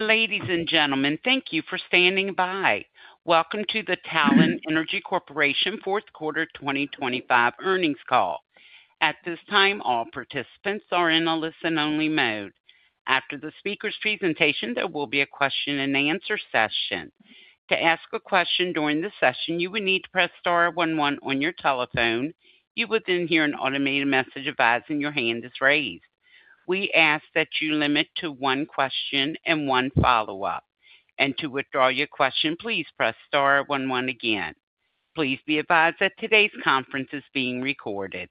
Ladies and gentlemen, thank you for standing by. Welcome to the Talen Energy Corporation fourth quarter 2025 earnings call. At this time, all participants are in a listen-only mode. After the speaker's presentation, there will be a question-and-answer session. To ask a question during the session, you will need to press star 11 on your telephone. You will then hear an automated message advising your hand is raised. We ask that you limit to one question and one follow-up, and to withdraw your question, please press star 11 again. Please be advised that today's conference is being recorded.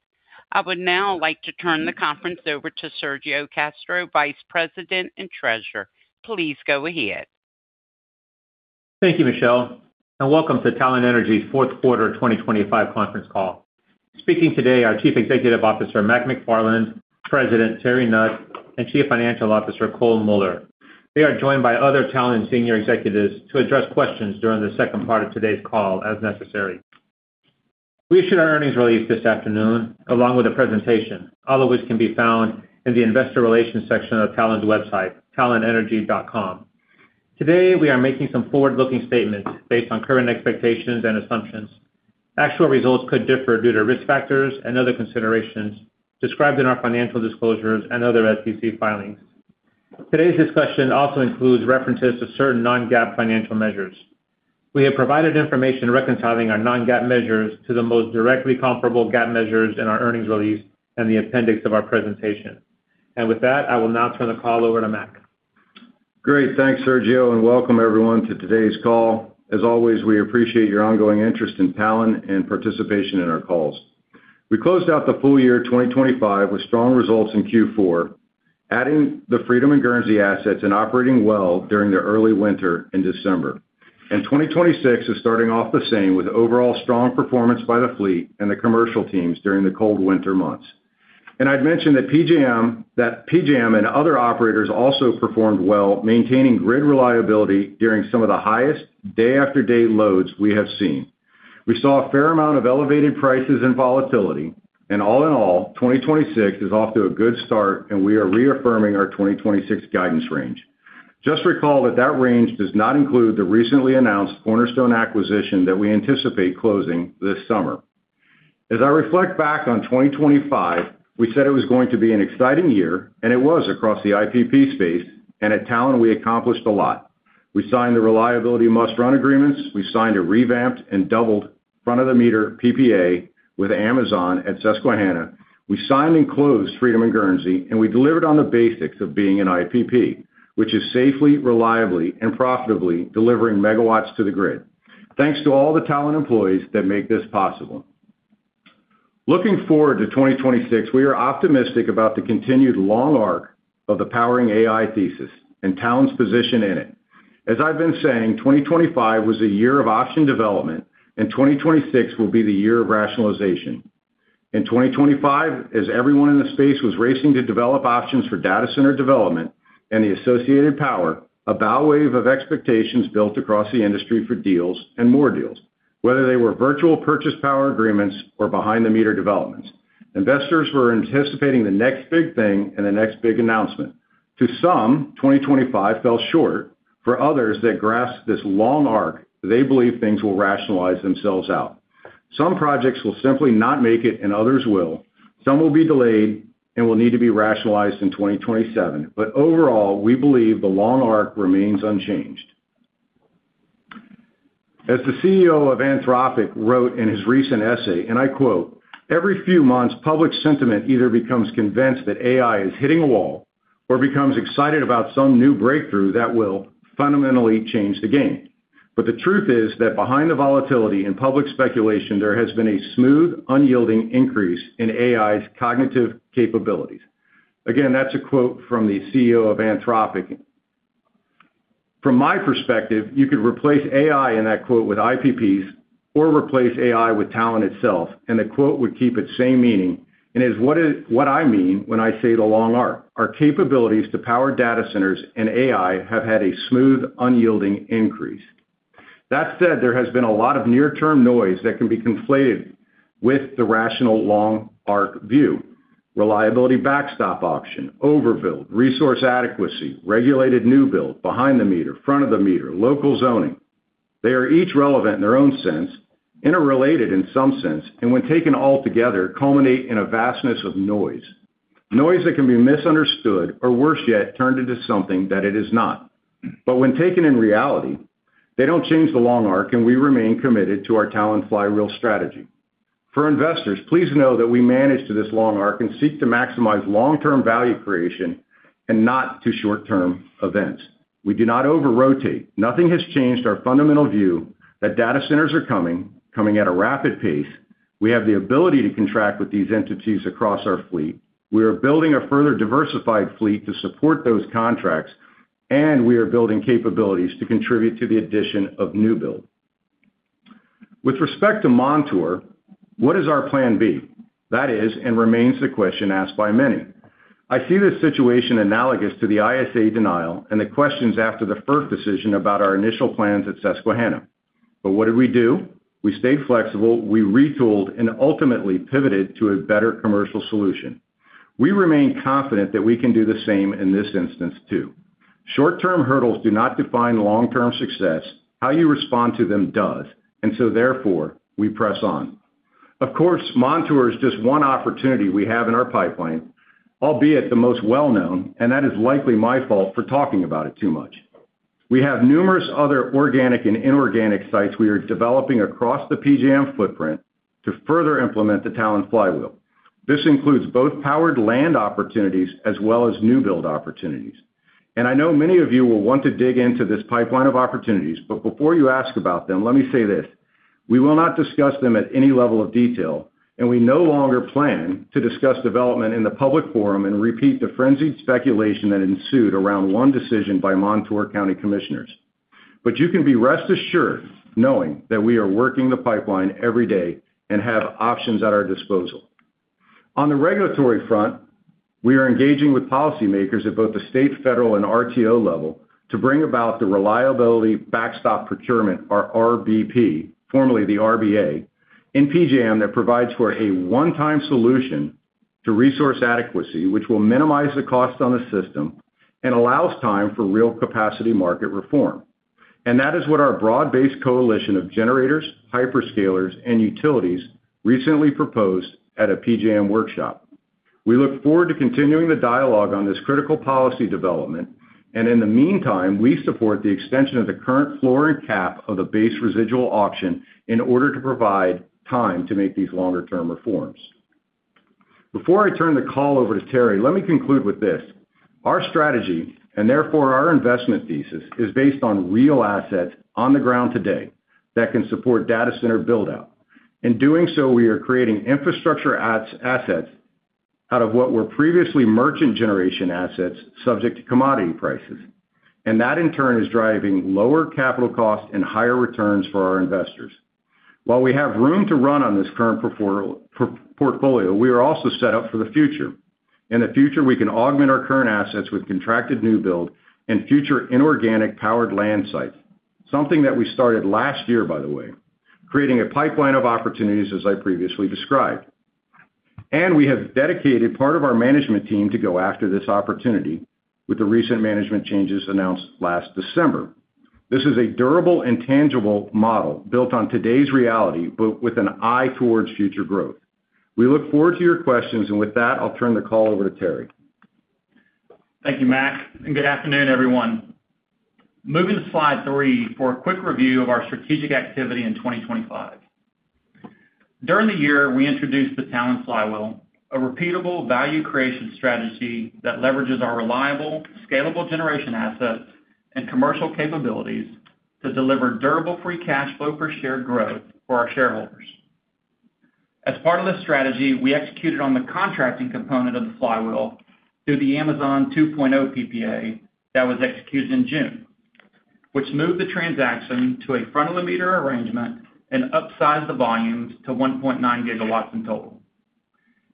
I would now like to turn the conference over to Sergio Castro, Vice President and Treasurer. Please go ahead. Thank you, Michelle, and welcome to Talen Energy's fourth quarter 2025 conference call. Speaking today are Chief Executive Officer, Mac McFarland, President, Terry Nutt, and Chief Financial Officer, Cole Muller. They are joined by other Talen senior executives to address questions during the second part of today's call, as necessary. We issued our earnings release this afternoon, along with a presentation, all of which can be found in the investor relations section of Talen's website, talenenergy.com. Today, we are making some forward-looking statements based on current expectations and assumptions. Actual results could differ due to risk factors and other considerations described in our financial disclosures and other SEC filings. Today's discussion also includes references to certain non-GAAP financial measures. We have provided information reconciling our non-GAAP measures to the most directly comparable GAAP measures in our earnings release and the appendix of our presentation. With that, I will now turn the call over to Mac. Great. Thanks, Sergio. Welcome everyone to today's call. As always, we appreciate your ongoing interest in Talen and participation in our calls. We closed out the full year 2025 with strong results in Q4, adding the Freedom and Guernsey assets and operating well during the early winter in December. 2026 is starting off the same with overall strong performance by the fleet and the commercial teams during the cold winter months. I'd mention that PJM and other operators also performed well, maintaining grid reliability during some of the highest day-after-day loads we have seen. We saw a fair amount of elevated prices and volatility and all in all, 2026 is off to a good start, and we are reaffirming our 2026 guidance range. Just recall that that range does not include the recently announced Cornerstone acquisition that we anticipate closing this summer. As I reflect back on 2025, we said it was going to be an exciting year, and it was across the IPP space, and at Talen we accomplished a lot. We signed the reliability must-run agreements. We signed a revamped and doubled front-of-the-meter PPA with Amazon at Susquehanna. We signed and closed Freedom and Guernsey, and we delivered on the basics of being an IPP, which is safely, reliably, and profitably delivering megawatts to the grid. Thanks to all the Talen employees that make this possible. Looking forward to 2026, we are optimistic about the continued long arc of the powering AI thesis and Talen's position in it. As I've been saying, 2025 was a year of option development, and 2026 will be the year of rationalization. In 2025, as everyone in the space was racing to develop options for data center development and the associated power, a bow wave of expectations built across the industry for deals and more deals, whether they were virtual purchase power agreements or behind-the-meter developments. Investors were anticipating the next big thing and the next big announcement. To some, 2025 fell short. For others that grasp this long arc, they believe things will rationalize themselves out. Some projects will simply not make it, and others will. Some will be delayed and will need to be rationalized in 2027. Overall, we believe the long arc remains unchanged. As the CEO of Anthropic wrote in his recent essay, and I quote, "Every few months, public sentiment either becomes convinced that AI is hitting a wall or becomes excited about some new breakthrough that will fundamentally change the game. The truth is that behind the volatility and public speculation, there has been a smooth, unyielding increase in AI's cognitive capabilities." Again, that's a quote from the CEO of Anthropic. From my perspective, you could replace AI in that quote with IPPs or replace AI with Talen itself, and the quote would keep its same meaning. Is what I mean when I say the long arc. Our capabilities to power data centers and AI have had a smooth, unyielding increase. That said, there has been a lot of near-term noise that can be conflated with the rational long arc view. Reliability backstop option, overbuild, resource adequacy, regulated new build, behind-the-meter, front-of-the-meter, local zoning. They are each relevant in their own sense, interrelated in some sense, and when taken all together, culminate in a vastness of noise. Noise that can be misunderstood or worse yet, turned into something that it is not. When taken in reality, they don't change the long arc, and we remain committed to our Talen Flywheel strategy. For investors, please know that we manage to this long arc and seek to maximize long-term value creation and not do short-term events. We do not over-rotate. Nothing has changed our fundamental view that data centers are coming at a rapid pace. We have the ability to contract with these entities across our fleet. We are building a further diversified fleet to support those contracts, and we are building capabilities to contribute to the addition of new build. With respect to Montour, what is our plan B? That is and remains the question asked by many. I see this situation analogous to the ISA denial and the questions after the FERC decision about our initial plans at Susquehanna. What did we do? We stayed flexible, we retooled, and ultimately pivoted to a better commercial solution. We remain confident that we can do the same in this instance too. Short-term hurdles do not define long-term success, how you respond to them does, therefore, we press on. Of course, Montour is just one opportunity we have in our pipeline, albeit the most well-known, and that is likely my fault for talking about it too much. We have numerous other organic and inorganic sites we are developing across the PJM footprint to further implement the Talen Flywheel. This includes both powered land opportunities as well as new build opportunities. I know many of you will want to dig into this pipeline of opportunities, but before you ask about them, let me say this. We will not discuss them at any level of detail, and we no longer plan to discuss development in the public forum and repeat the frenzied speculation that ensued around one decision by Montour County commissioners. You can be rest assured knowing that we are working the pipeline every day and have options at our disposal. On the regulatory front, we are engaging with policymakers at both the state, federal, and RTO level to bring about the reliability backstop procurement or RBP, formerly the RBP, in PJM that provides for a one-time solution to resource adequacy, which will minimize the cost on the system and allows time for real capacity market reform. That is what our broad-based coalition of generators, hyperscalers, and utilities recently proposed at a PJM workshop. We look forward to continuing the dialogue on this critical policy development, and in the meantime, we support the extension of the current floor and cap of the Base Residual Auction in order to provide time to make these longer-term reforms. Before I turn the call over to Terry, let me conclude with this. Our strategy, and therefore our investment thesis, is based on real assets on the ground today that can support data center build-out. In doing so, we are creating infrastructure assets out of what were previously merchant generation assets subject to commodity prices. That in turn is driving lower capital costs and higher returns for our investors. While we have room to run on this current portfolio, we are also set up for the future. In the future, we can augment our current assets with contracted new build and future inorganic powered land sites, something that we started last year, by the way, creating a pipeline of opportunities as I previously described. We have dedicated part of our management team to go after this opportunity with the recent management changes announced last December. This is a durable and tangible model built on today's reality, but with an eye towards future growth. We look forward to your questions, and with that, I'll turn the call over to Terry. Thank you, Mac. Good afternoon, everyone. Moving to slide three for a quick review of our strategic activity in 2025. During the year, we introduced the Talen Flywheel, a repeatable value creation strategy that leverages our reliable, scalable generation assets and commercial capabilities to deliver durable free cash flow per share growth for our shareholders. As part of the strategy, we executed on the contracting component of the flywheel through the Amazon 2.0 PPA that was executed in June, which moved the transaction to a front-of-the-meter arrangement and upsized the volumes to 1.9 GW in total.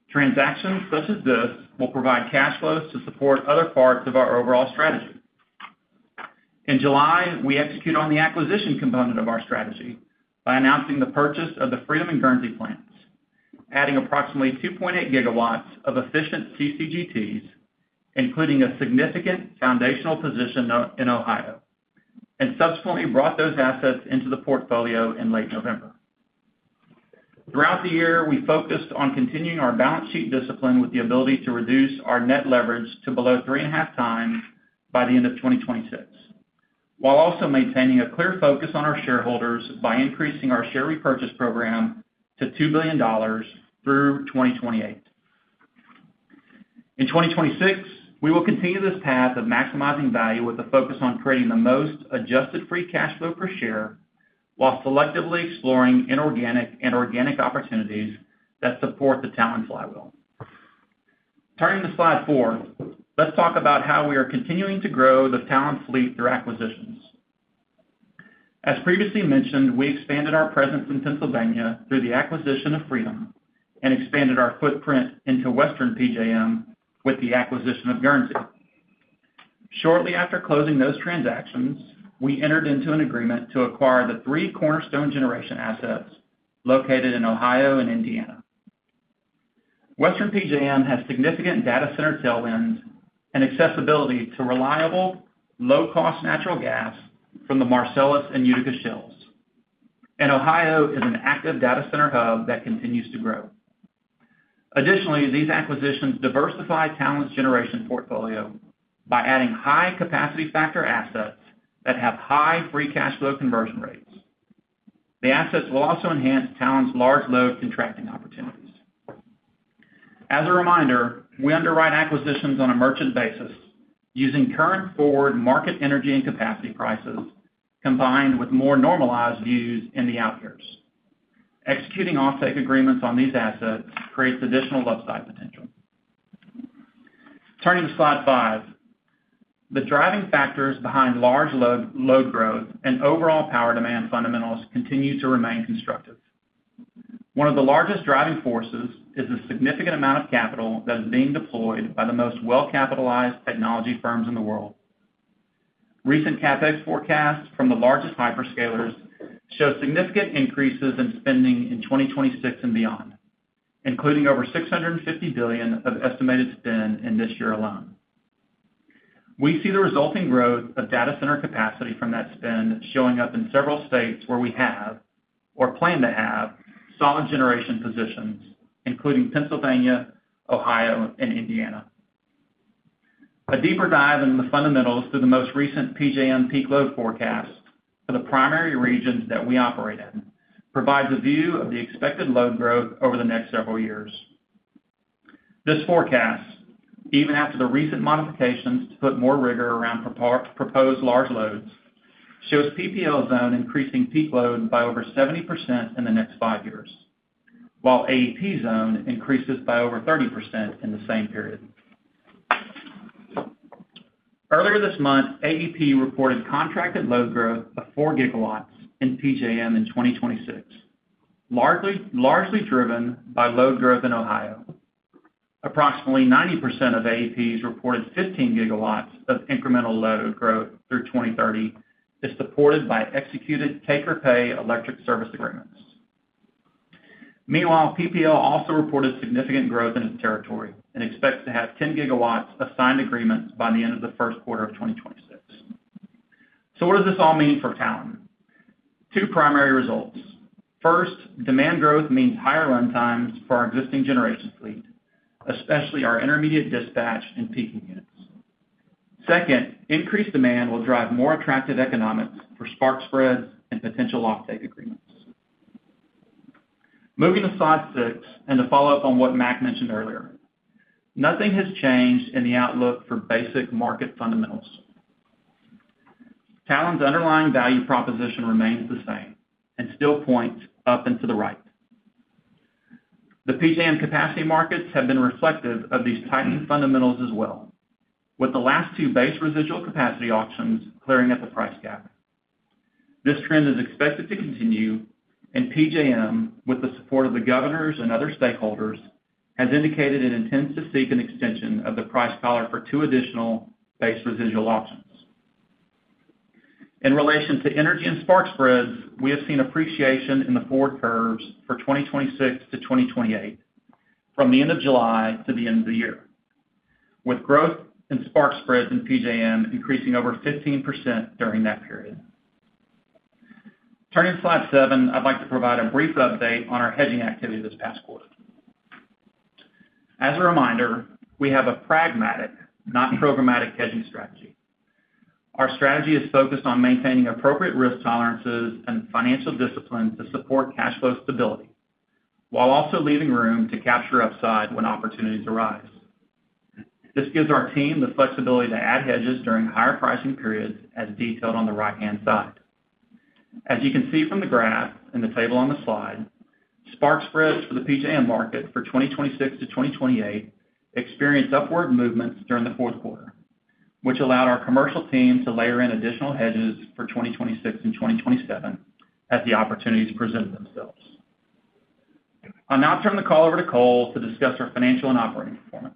Transactions such as this will provide cash flows to support other parts of our overall strategy. In July, we execute on the acquisition component of our strategy by announcing the purchase of the Freedom and Guernsey plants, adding approximately 2.8 GW of efficient CCGTs, including a significant foundational position in Ohio, and subsequently brought those assets into the portfolio in late November. Throughout the year, we focused on continuing our balance sheet discipline with the ability to reduce our net leverage to below 3.5 times by the end of 2026, while also maintaining a clear focus on our shareholders by increasing our share repurchase program to $2 billion through 2028. In 2026, we will continue this path of maximizing value with a focus on creating the most adjusted free cash flow per share while selectively exploring inorganic and organic opportunities that support the Talen Flywheel. Turning to slide four, let's talk about how we are continuing to grow the Talen fleet through acquisitions. As previously mentioned, we expanded our presence in Pennsylvania through the acquisition of Freedom and expanded our footprint into Western PJM with the acquisition of Guernsey. Shortly after closing those transactions, we entered into an agreement to acquire the 3 Cornerstone generation assets located in Ohio and Indiana. Western PJM has significant data center tailwinds and accessibility to reliable, low-cost natural gas from the Marcellus and Utica shales. Ohio is an active data center hub that continues to grow. Additionally, these acquisitions diversify Talen's generation portfolio by adding high capacity factor assets that have high free cash flow conversion rates. The assets will also enhance Talen's large load contracting opportunities. As a reminder, we underwrite acquisitions on a merchant basis using current forward market energy and capacity prices combined with more normalized views in the out-years. Executing off-take agreements on these assets creates additional upside potential. Turning to slide five. The driving factors behind large load growth and overall power demand fundamentals continue to remain constructive. One of the largest driving forces is the significant amount of capital that is being deployed by the most well-capitalized technology firms in the world. Recent CapEx forecasts from the largest hyperscalers show significant increases in spending in 2026 and beyond, including over $650 billion of estimated spend in this year alone. We see the resulting growth of data center capacity from that spend showing up in several states where we have or plan to have solid generation positions, including Pennsylvania, Ohio, and Indiana. A deeper dive in the fundamentals to the most recent PJM peak load forecast for the primary regions that we operate in provides a view of the expected load growth over the next several years. This forecast, even after the recent modifications to put more rigor around proposed large loads, shows PPL zone increasing peak load by over 70% in the next five years, while AEP zone increases by over 30% in the same period. Earlier this month, AEP reported contracted load growth of 4 GW in PJM in 2026, largely driven by load growth in Ohio. Approximately 90% of AEP's reported 15 GW of incremental load growth through 2030 is supported by executed take-or-pay electric service agreements. Meanwhile, PPL also reported significant growth in its territory and expects to have 10 GW of signed agreements by the end of the first quarter of 2026. What does this all mean for Talen? Two primary results. First, demand growth means higher runtimes for our existing generation fleet, especially our intermediate dispatch and peaking units. Second, increased demand will drive more attractive economics for spark spreads and potential offtake agreements. Moving to slide six and to follow up on what Mac mentioned earlier, nothing has changed in the outlook for basic market fundamentals. Talen's underlying value proposition remains the same and still points up and to the right. The PJM capacity markets have been reflective of these tightened fundamentals as well, with the last two Base Residual Capacity Auctions clearing at the price gap. This trend is expected to continue. PJM, with the support of the Governors and other stakeholders, has indicated it intends to seek an extension of the price collar for two additional Base Residual Auctions. In relation to energy and spark spreads, we have seen appreciation in the forward curves for 2026 to 2028 from the end of July to the end of the year, with growth and spark spreads in PJM increasing over 15% during that period. Turning to slide seven, I'd like to provide a brief update on our hedging activity this past quarter. As a reminder, we have a pragmatic, not programmatic hedging strategy. Our strategy is focused on maintaining appropriate risk tolerances and financial discipline to support cash flow stability, while also leaving room to capture upside when opportunities arise. This gives our team the flexibility to add hedges during higher pricing periods as detailed on the right-hand side. As you can see from the graph and the table on the slide, spark spreads for the PJM market for 2026 to 2028 experienced upward movements during the fourth quarter, which allowed our commercial team to layer in additional hedges for 2026 and 2027 as the opportunities presented themselves. I'll now turn the call over to Cole to discuss our financial and operating performance.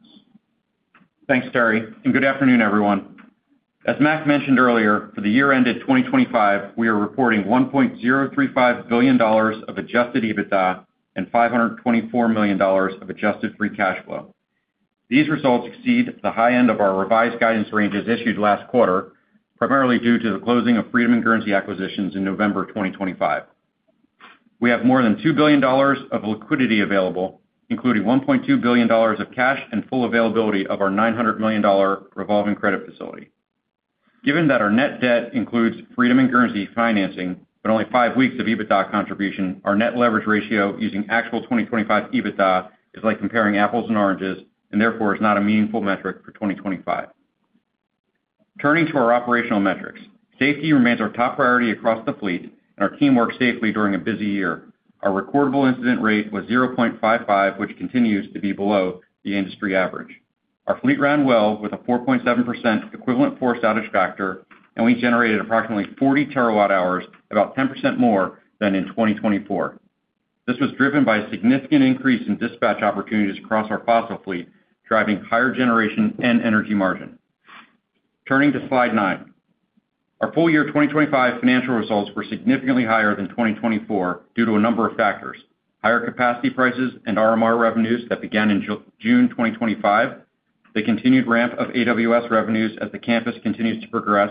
Thanks, Terry, and good afternoon, everyone. As Mac mentioned earlier, for the year ended 2025, we are reporting $1.035 billion of adjusted EBITDA and $524 million of adjusted free cash flow. These results exceed the high end of our revised guidance ranges issued last quarter, primarily due to the closing of Freedom and Guernsey acquisitions in November of 2025. We have more than $2 billion of liquidity available, including $1.2 billion of cash and full availability of our $900 million revolving credit facility. Given that our net debt includes Freedom and Guernsey financing, but only five weeks of EBITDA contribution, our net leverage ratio using actual 2025 EBITDA is like comparing apples and oranges, and therefore is not a meaningful metric for 2025. Turning to our operational metrics. Safety remains our top priority across the fleet, and our team worked safely during a busy year. Our recordable incident rate was 0.55, which continues to be below the industry average. Our fleet ran well with a 4.7% equivalent forced outage factor, and we generated approximately 40 terawatt-hours, about 10% more than in 2024. This was driven by a significant increase in dispatch opportunities across our fossil fleet, driving higher generation and energy margin. Turning to slide nine. Our full year 2025 financial results were significantly higher than 2024 due to a number of factors: higher capacity prices and RMR revenues that began in June 2025, the continued ramp of AWS revenues as the campus continues to progress,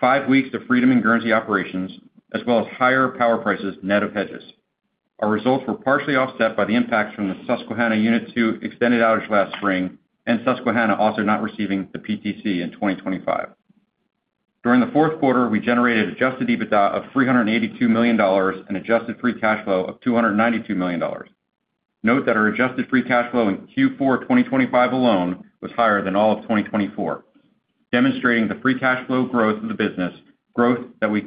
five weeks of Freedom and Guernsey operations, as well as higher power prices net of hedges. Our results were partially offset by the impacts from the Susquehanna Unit Two extended outage last spring and Susquehanna also not receiving the PTC in 2025. During the fourth quarter, we generated adjusted EBITDA of $382 million and adjusted free cash flow of $292 million. Note that our adjusted free cash flow in Q4 2025 alone was higher than all of 2024, demonstrating the free cash flow growth of the business, growth that we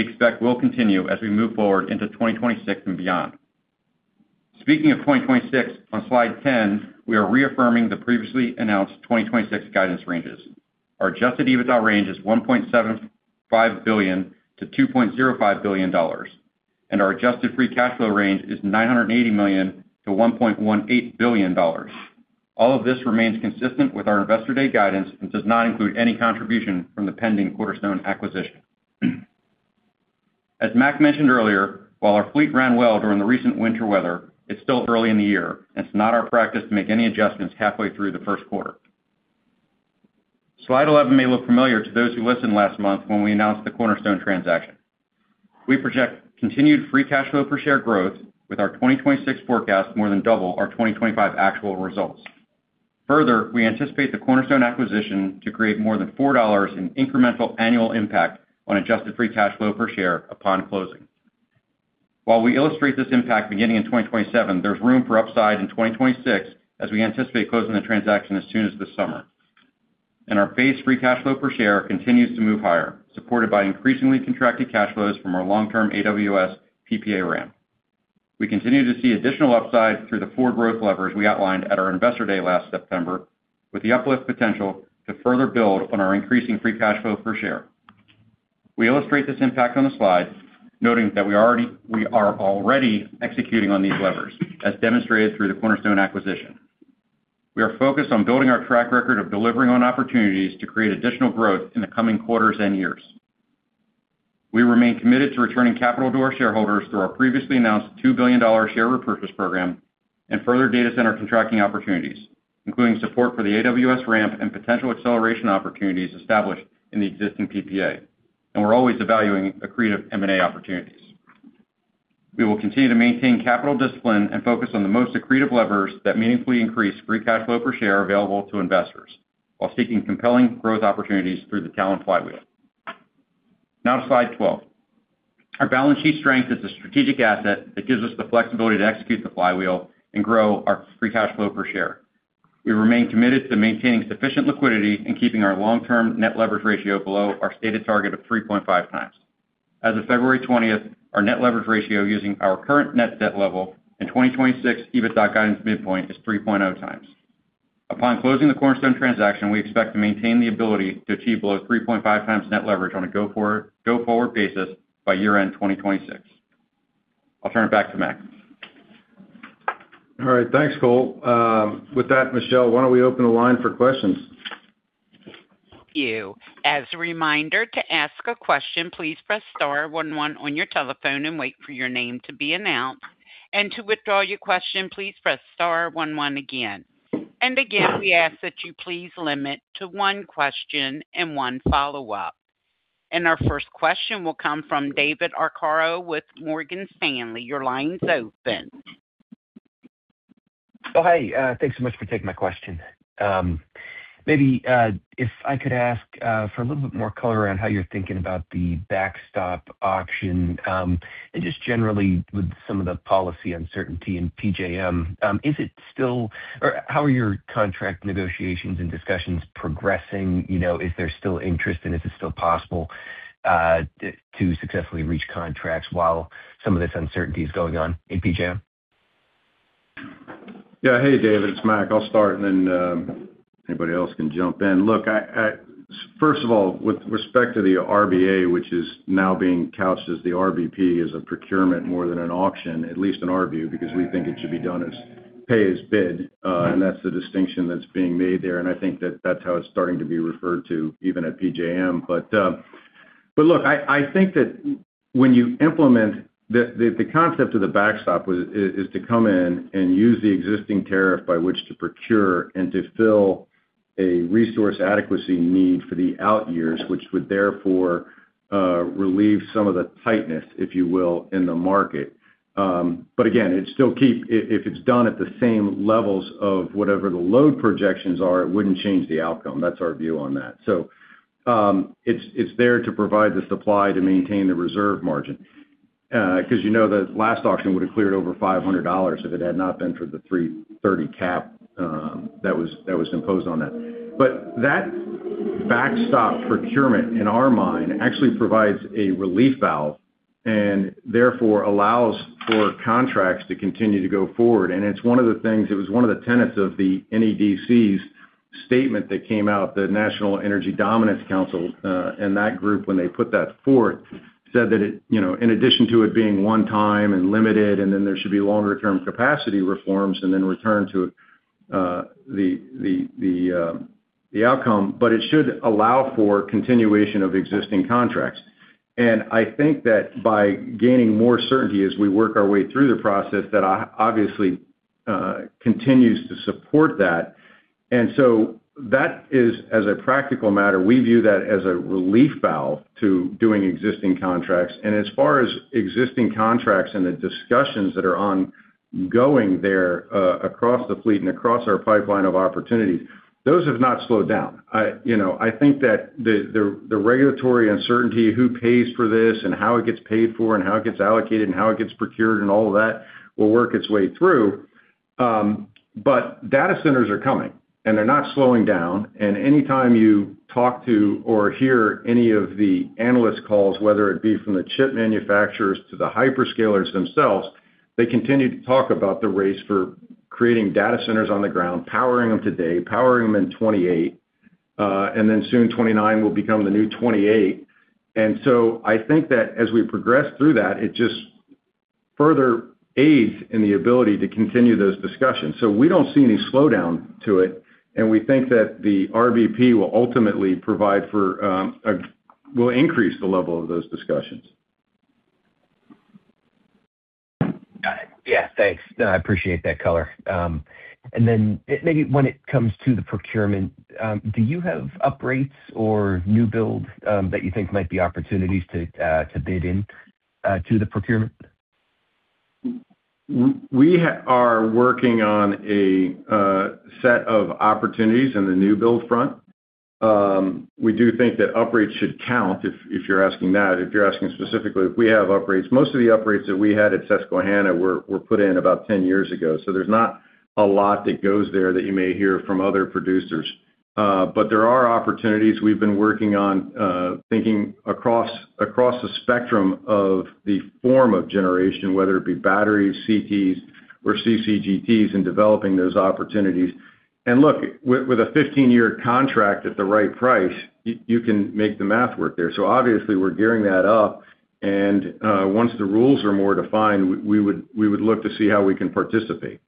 expect will continue as we move forward into 2026 and beyond. Speaking of 2026, on slide 10, we are reaffirming the previously announced 2026 guidance ranges. Our adjusted EBITDA range is $1.75 billion-$2.05 billion. Our adjusted free cash flow range is $980 million-$1.18 billion. All of this remains consistent with our Investor Day guidance and does not include any contribution from the pending Cornerstone acquisition. As Mac mentioned earlier, while our fleet ran well during the recent winter weather, it's still early in the year. It's not our practice to make any adjustments halfway through the first quarter. Slide 11 may look familiar to those who listened last month when we announced the Cornerstone transaction. We project continued free cash flow per share growth with our 2026 forecast more than double our 2025 actual results. We anticipate the Cornerstone acquisition to create more than $4 in incremental annual impact on adjusted free cash flow per share upon closing. While we illustrate this impact beginning in 2027, there's room for upside in 2026 as we anticipate closing the transaction as soon as this summer. Our base free cash flow per share continues to move higher, supported by increasingly contracted cash flows from our long-term AWS PPA ramp. We continue to see additional upside through the four growth levers we outlined at our Investor Day last September, with the uplift potential to further build on our increasing free cash flow per share. We illustrate this impact on the slide, noting that we are already executing on these levers, as demonstrated through the Cornerstone acquisition. We are focused on building our track record of delivering on opportunities to create additional growth in the coming quarters and years. We remain committed to returning capital to our shareholders through our previously announced $2 billion Share Repurchase Program and further data center contracting opportunities, including support for the AWS ramp and potential acceleration opportunities established in the existing PPA. We're always evaluating accretive M&A opportunities. We will continue to maintain capital discipline and focus on the most accretive levers that meaningfully increase free cash flow per share available to investors while seeking compelling growth opportunities through the Talen Flywheel. Now to slide 12. Our balance sheet strength is a strategic asset that gives us the flexibility to execute the flywheel and grow our free cash flow per share. We remain committed to maintaining sufficient liquidity and keeping our long-term net leverage ratio below our stated target of 3.5 times. As of February 20th, our net leverage ratio using our current net debt level in 2026 EBITDA guidance midpoint is 3.0 times. Upon closing the Cornerstone transaction, we expect to maintain the ability to achieve below 3.5 times net leverage on a go forward basis by year-end 2026. I'll turn it back to Mac. All right, thanks, Cole. With that, Michelle, why don't we open the line for questions? As a reminder, to ask a question, please press star one one on your telephone and wait for your name to be announced. To withdraw your question, please press star one one again. Again, we ask that you please limit to one question and one follow-up. Our first question will come from David Arcaro with Morgan Stanley. Your line's open. Hey, thanks so much for taking my question. Maybe, if I could ask for a little bit more color around how you're thinking about the backstop auction, just generally with some of the policy uncertainty in PJM, how are your contract negotiations and discussions progressing? You know, is there still interest, and is it still possible to successfully reach contracts while some of this uncertainty is going on in PJM? Yeah. Hey, David, it's Mac. I'll start, and then, anybody else can jump in. Look, I, first of all, with respect to the RBA, which is now being couched as the RBP, as a procurement more than an auction, at least in our view, because we think it should be done as pay-as-bid, and that's the distinction that's being made there. I think that that's how it's starting to be referred to even at PJM. Look, I think that when you implement. The concept of the backstop was, is to come in and use the existing tariff by which to procure and to fill a resource adequacy need for the out years, which would therefore, relieve some of the tightness, if you will, in the market. Again, it still keep. If it's done at the same levels of whatever the load projections are, it wouldn't change the outcome. That's our view on that. It's there to provide the supply to maintain the reserve margin, 'cause you know the last auction would have cleared over $500 if it had not been for the 330 cap that was imposed on that. That backstop procurement, in our mind, actually provides a relief valve and therefore allows for contracts to continue to go forward. It's one of the things, it was one of the tenets of the NEDC's statement that came out, the National Energy Dominance Council, and that group, when they put that forth, said that it, you know, in addition to it being one time and limited, and then there should be longer-term capacity reforms and then return to the outcome, but it should allow for continuation of existing contracts. I think that by gaining more certainty as we work our way through the process, that obviously continues to support that. That is, as a practical matter, we view that as a relief valve to doing existing contracts. As far as existing contracts and the discussions that are ongoing there, across the fleet and across our pipeline of opportunities, those have not slowed down. I, you know, I think that the regulatory uncertainty, who pays for this and how it gets paid for and how it gets allocated and how it gets procured and all of that will work its way through. Data centers are coming, and they're not slowing down. Any time you talk to or hear any of the analyst calls, whether it be from the chip manufacturers to the hyperscalers themselves. They continue to talk about the race for creating data centers on the ground, powering them today, powering them in 2028, and then soon 2029 will become the new 2028. I think that as we progress through that, it just further aids in the ability to continue those discussions. We don't see any slowdown to it, and we think that the RBP will ultimately increase the level of those discussions. Got it. Yeah, thanks. No, I appreciate that color. Maybe when it comes to the procurement, do you have uprates or new builds, that you think might be opportunities to bid in to the procurement? We are working on a set of opportunities in the new build front. We do think that uprates should count if you're asking that. If you're asking specifically if we have uprates. Most of the uprates that we had at Susquehanna were put in about 10 years ago, so there's not a lot that goes there that you may hear from other producers. There are opportunities. We've been working on thinking across the spectrum of the form of generation, whether it be batteries, CTs, or CCGTs, and developing those opportunities. Look, with a 15-year contract at the right price, you can make the math work there. Obviously, we're gearing that up, and once the rules are more defined, we would look to see how we can participate.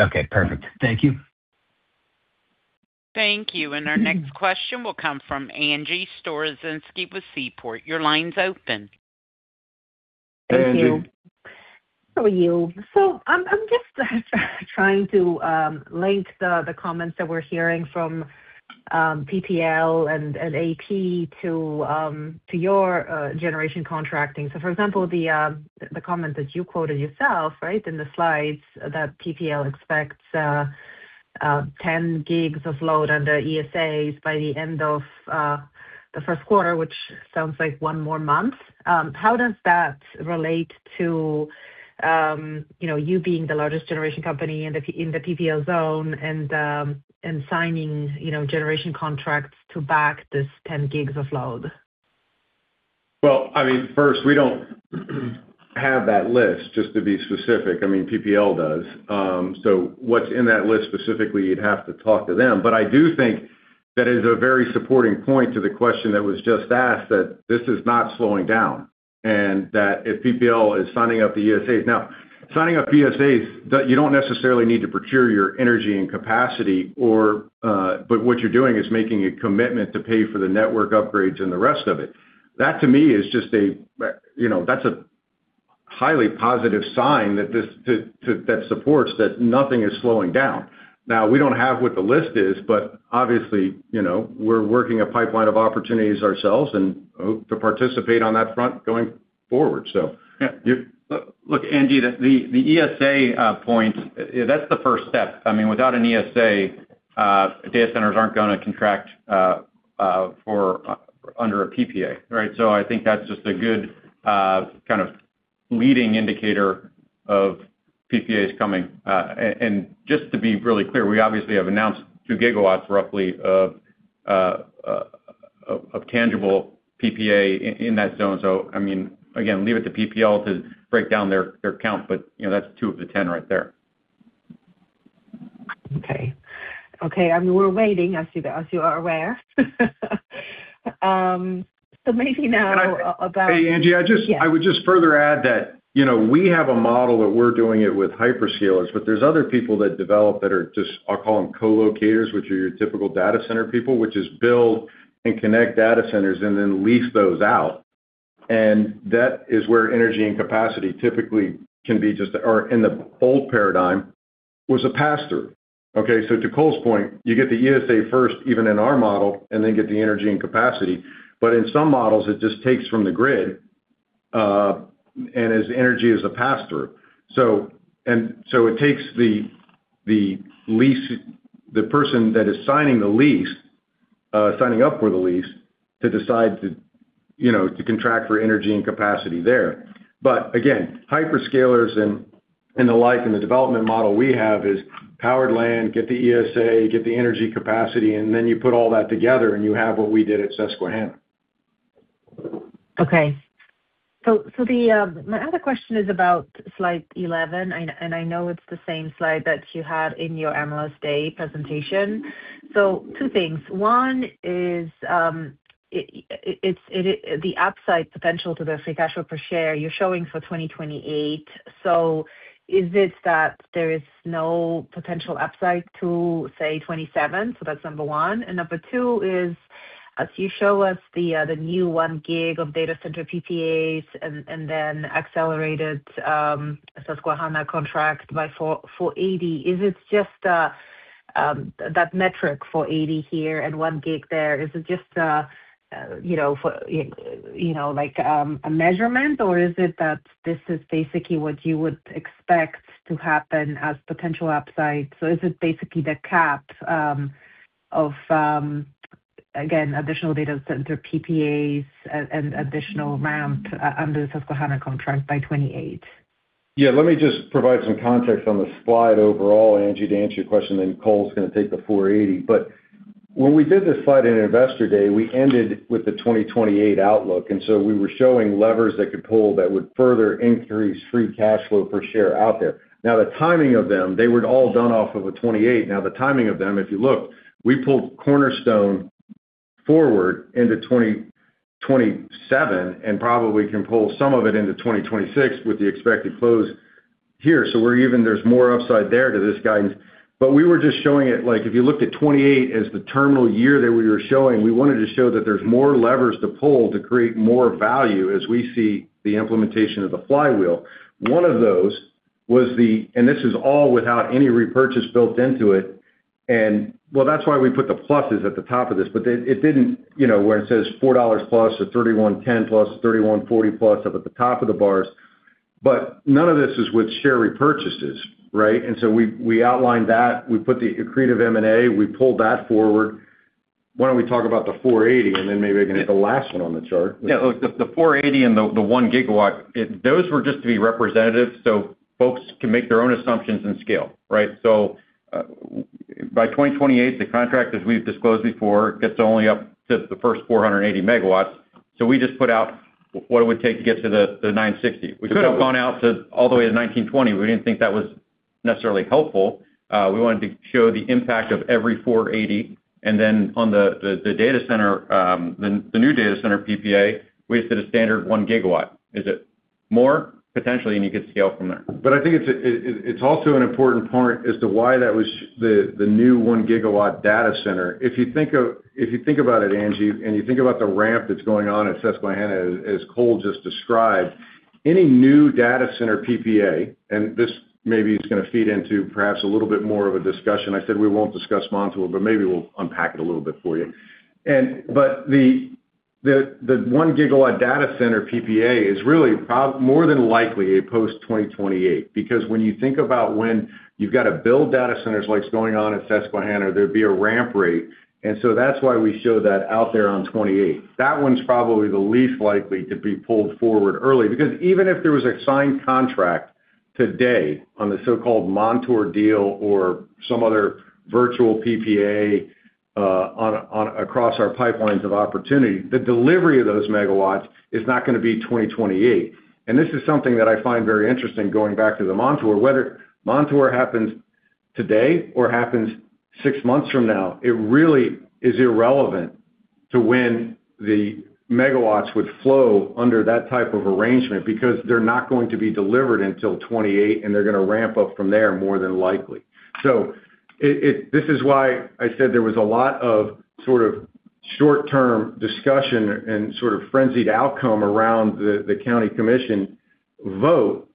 Okay, perfect. Thank you. Thank you. Our next question will come from Angie Storozynski with Seaport. Your line's open. Angie. Thank you. How are you? I'm just trying to link the comments that we're hearing from PPL and AEP to your generation contracting. For example, the comment that you quoted yourself, right? In the slides, that PPL expects 10 gigs of load under ESAs by the end of the first quarter, which sounds like one more month. How does that relate to, you know, you being the largest generation company in the PPL zone and signing, you know, generation contracts to back this 10 gigs of load? Well, I mean, first, we don't have that list, just to be specific. I mean, PPL does. What's in that list specifically, you'd have to talk to them. I do think that is a very supporting point to the question that was just asked, that this is not slowing down, and that if PPL is signing up the ESAs. Signing up ESAs, you don't necessarily need to procure your energy and capacity or, but what you're doing is making a commitment to pay for the network upgrades and the rest of it. That, to me, is just a, you know, that's a highly positive sign that this that supports that nothing is slowing down. We don't have what the list is, but obviously, you know, we're working a pipeline of opportunities ourselves and hope to participate on that front going forward, so. Yeah. Look, Angie, the ESA point, that's the first step. I mean, without an ESA, data centers aren't gonna contract for under a PPA, right? I think that's just a good kind of leading indicator of PPAs coming. Just to be really clear, we obviously have announced 2 GW, roughly, of tangible PPA in that zone. I mean, again, leave it to PPL to break down their count, but, you know, that's two of the 10 right there. Okay. Okay. I mean, we're waiting as you are aware. Maybe now. Hey, Angie. Yeah. I would just further add that, you know, we have a model that we're doing it with hyperscalers, but there's other people that develop that are just, I'll call them co-locators, which are your typical data center people, which is build and connect data centers and then lease those out. That is where energy and capacity typically can be just, or in the old paradigm, was a pass-through. Okay, so to Cole's point, you get the ESA first, even in our model, and then get the energy and capacity. In some models, it just takes from the grid, and as energy is a pass-through. It takes the person that is signing the lease, signing up for the lease, to decide to, you know, to contract for energy and capacity there. Again, hyperscalers and the life and the development model we have is powered land, get the ESA, get the energy capacity, and then you put all that together, and you have what we did at Susquehanna. Okay. My other question is about slide 11. I know it's the same slide that you had in your Analyst Day presentation. Two things. One is, the upside potential to the free cash flow per share you're showing for 2028. Is it that there is no potential upside to, say, 2027? That's number one. Number two is, as you show us the new 1 GW of data center PPAs then accelerated Susquehanna contract by 480, is it just that metric, 480 here and one gig there, is it just, you know, for, you know, like, a measurement, or is it that this is basically what you would expect to happen as potential upside? Is it basically the cap of, again, additional data center PPAs and additional ramp under the Susquehanna contract by 2028? Yeah, let me just provide some context on the slide overall, Angie, to answer your question, then Cole's gonna take the 480. When we did this slide in Investor Day, we ended with the 2028 outlook, and so we were showing levers that could pull that would further increase free cash flow per share out there. Now the timing of them, they were all done off of a 28. Now the timing of them, if you look, we pulled Cornerstone forward into 2027, and probably can pull some of it into 2026 with the expected close here. We're even, there's more upside there to this guidance. We were just showing it, like if you looked at 28 as the terminal year that we were showing, we wanted to show that there's more levers to pull to create more value as we see the implementation of the Flywheel. This is all without any Repurchase built into it. Well, that's why we put the pluses at the top of this, but it didn't, you know, where it says $4 plus or $31.10 plus, $31.40 plus up at the top of the bars. None of this is with Share Repurchases, right? We outlined that. We put the accretive M&A, we pulled that forward. Why don't we talk about the $4.80, and then maybe I can hit the last one on the chart. Look, the 480 and the 1 GW, those were just to be representative so folks can make their own assumptions and scale, right? By 2028, the contract, as we've disclosed before, gets only up to the first 480 megawatts. We just put out what it would take to get to the 960. We could have gone out to all the way to 1,920. We didn't think that was necessarily helpful. We wanted to show the impact of every 480. On the data center, the new data center PPA, we just did a standard 1 GW. Is it more? Potentially, and you could scale from there. I think it's also an important point as to why that was the new 1 GW data center. If you think about it, Angie, and you think about the ramp that's going on at Susquehanna, as Cole just described, any new data center PPA, and this maybe is gonna feed into perhaps a little bit more of a discussion. I said we won't discuss Montour, but maybe we'll unpack it a little bit for you. But the 1 GW data center PPA is really more than likely a post 2028. Because when you think about when you've got to build data centers like's going on at Susquehanna, there'd be a ramp rate. That's why we show that out there on 2028. That one's probably the least likely to be pulled forward early, because even if there was a signed contract today on the so-called Montour deal or some other virtual PPA, across our pipelines of opportunity, the delivery of those megawatts is not gonna be 2028. This is something that I find very interesting going back to the Montour. Whether Montour happens today or happens six months from now, it really is irrelevant to when the megawatts would flow under that type of arrangement, because they're not going to be delivered until 2028, and they're gonna ramp up from there more than likely. This is why I said there was a lot of sort of short-term discussion and sort of frenzied outcome around the county commission vote.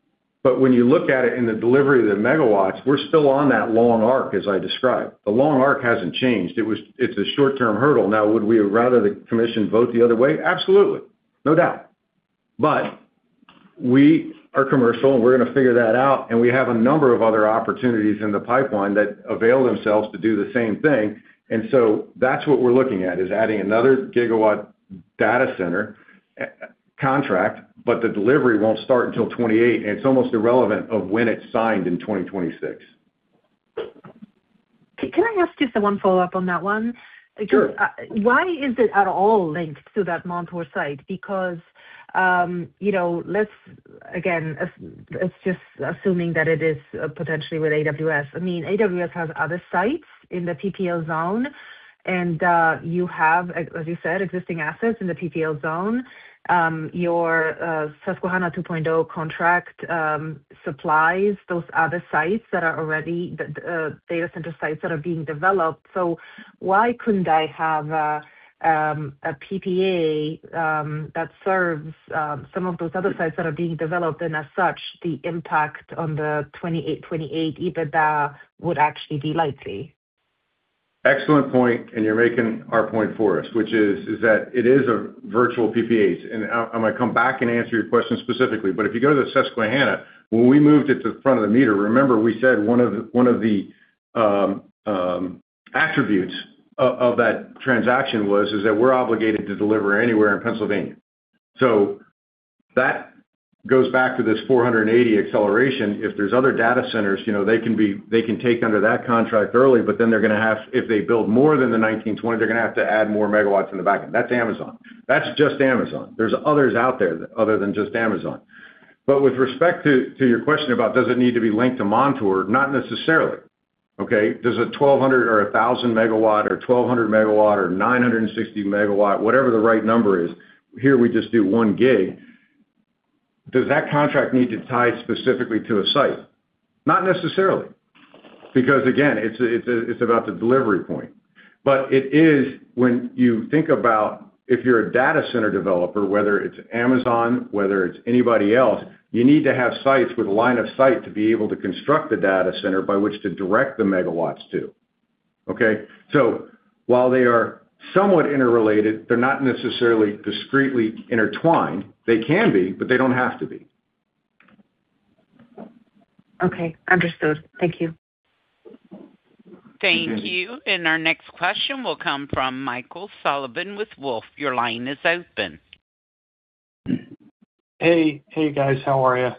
When you look at it in the delivery of the megawatts, we're still on that long arc as I described. The long arc hasn't changed. It's a short-term hurdle. Would we have rather the commission vote the other way? Absolutely. No doubt. We are commercial, and we're gonna figure that out, and we have a number of other opportunities in the pipeline that avail themselves to do the same thing. That's what we're looking at, is adding another gigawatt data center contract, but the delivery won't start until 28, and it's almost irrelevant of when it's signed in 2026. Can I ask just one follow-up on that one? Sure. Why is it at all linked to that Montour site? You know, let's, again, let's just assuming that it is potentially with AWS. I mean, AWS has other sites in the PPL zone, and you have, as you said, existing assets in the PPL zone. Your Susquehanna 2.0 contract supplies those other sites that are already the data center sites that are being developed. Why couldn't I have a PPA that serves some of those other sites that are being developed, and as such, the impact on the 2028 EBITDA would actually be likely? Excellent point, and you're making our point for us, which is that it is a virtual PPAs. I'm gonna come back and answer your question specifically. If you go to the Susquehanna, when we moved it to the front of the meter, remember we said one of the attributes of that transaction was, is that we're obligated to deliver anywhere in Pennsylvania. That goes back to this 480 acceleration. If there's other data centers, you know, they can take under that contract early, but then they're gonna have. If they build more than the 1,920, they're gonna have to add more megawatts in the back. That's Amazon. That's just Amazon. There's others out there other than just Amazon. With respect to your question about does it need to be linked to Montour, not necessarily, okay? Does a 1,200 or a 1,000 megawatt or 1,200 megawatt or 960 megawatt, whatever the right number is, here we just do 1 gig. Does that contract need to tie specifically to a site? Not necessarily. Again, it's about the delivery point. It is when you think about if you're a data center developer, whether it's Amazon, whether it's anybody else, you need to have sites with line of sight to be able to construct the data center by which to direct the megawatts to, okay? While they are somewhat interrelated, they're not necessarily discreetly intertwined. They can be, but they don't have to be. Okay. Understood. Thank you. Thank you. Our next question will come from Michael Sullivan with Wolfe. Your line is open. Hey. Hey, guys. How are you?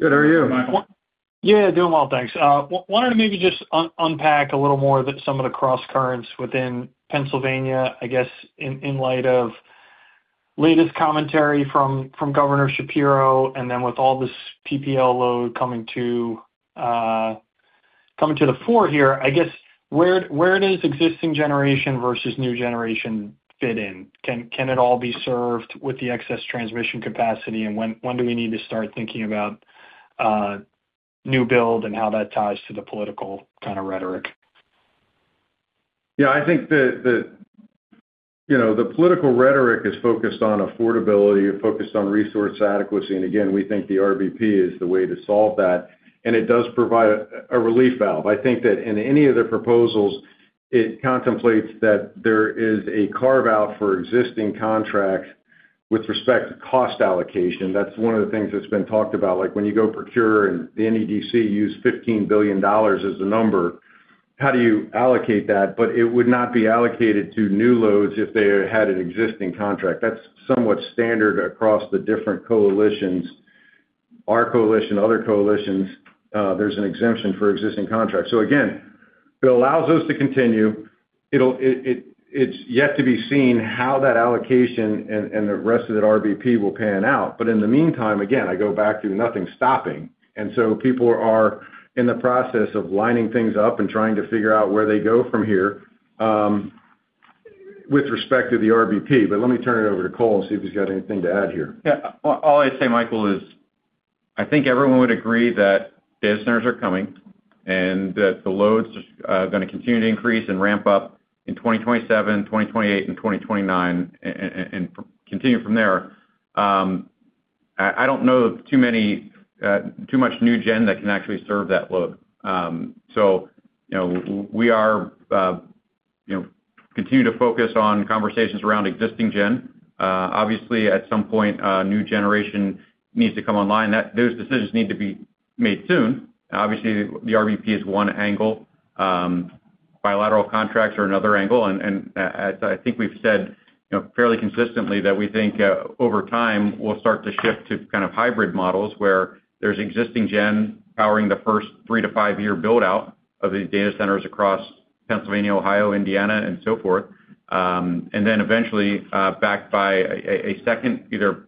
Good. How are you, Michael? Yeah, doing well, thanks. Wanted to maybe just unpack a little more that some of the crosscurrents within Pennsylvania, I guess, in light of latest commentary from Governor Shapiro and then with all this PPL load coming to the fore here. I guess, where does existing generation versus new generation fit in? Can it all be served with the excess transmission capacity? When do we need to start thinking about new build and how that ties to the political kind of rhetoric? Yeah, I think the, you know, the political rhetoric is focused on affordability, focused on resource adequacy, and again, we think the RBP is the way to solve that, and it does provide a relief valve. I think that in any of the proposals, it contemplates that there is a carve-out for existing contracts with respect to cost allocation. That's one of the things that's been talked about, like when you go procure and the NEDC use $15 billion as the number, how do you allocate that? It would not be allocated to new loads if they had an existing contract. That's somewhat standard across the different coalitions. Our coalition, other coalitions, there's an exemption for existing contracts. Again, if it allows us to continue, it's yet to be seen how that allocation and the rest of that RBP will pan out. In the meantime, again, I go back to nothing stopping. People are in the process of lining things up and trying to figure out where they go from here with respect to the RBP. Let me turn it over to Cole, see if he's got anything to add here. All I'd say, Michael, is I think everyone would agree that data centers are coming and that the loads are gonna continue to increase and ramp up in 2027, 2028, and 2029 and continue from there. I don't know too much new gen that can actually serve that load. you know, we are, you know, continue to focus on conversations around existing gen. Obviously, at some point, new generation needs to come online. Those decisions need to be made soon. Obviously, the RBP is one angle. Bilateral contracts are another angle. As I think we've said, you know, fairly consistently that we think, over time, we'll start to shift to kind of hybrid models where there's existing gen powering the first three to five-year build-out of these data centers across Pennsylvania, Ohio, Indiana and so forth. Eventually, backed by a second either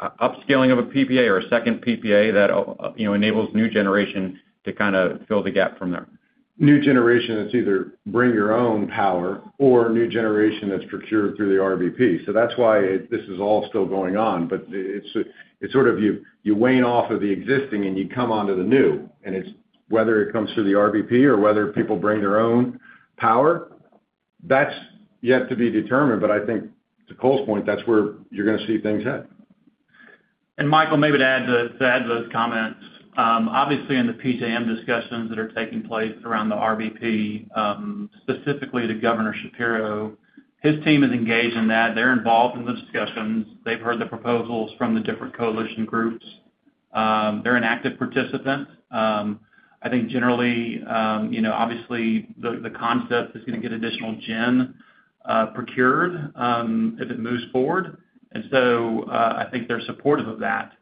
upscaling of a PPA or a second PPA that, you know, enables new generation to kind of fill the gap from there. New generation that's either bring your own power or new generation that's procured through the RBP. That's why this is all still going on. It's sort of you wane off of the existing and you come onto the new, and it's whether it comes through the RBP or whether people bring their own power, that's yet to be determined, but I think to Cole's point, that's where you're gonna see things head. Michael, maybe to add to those comments, obviously in the PJM discussions that are taking place around the RBP, specifically to Governor Shapiro, his team is engaged in that. They're involved in the discussions. They've heard the proposals from the different coalition groups. They're an active participant. I think generally, you know, obviously, the concept is gonna get additional gen procured as it moves forward. I think they're supportive of that.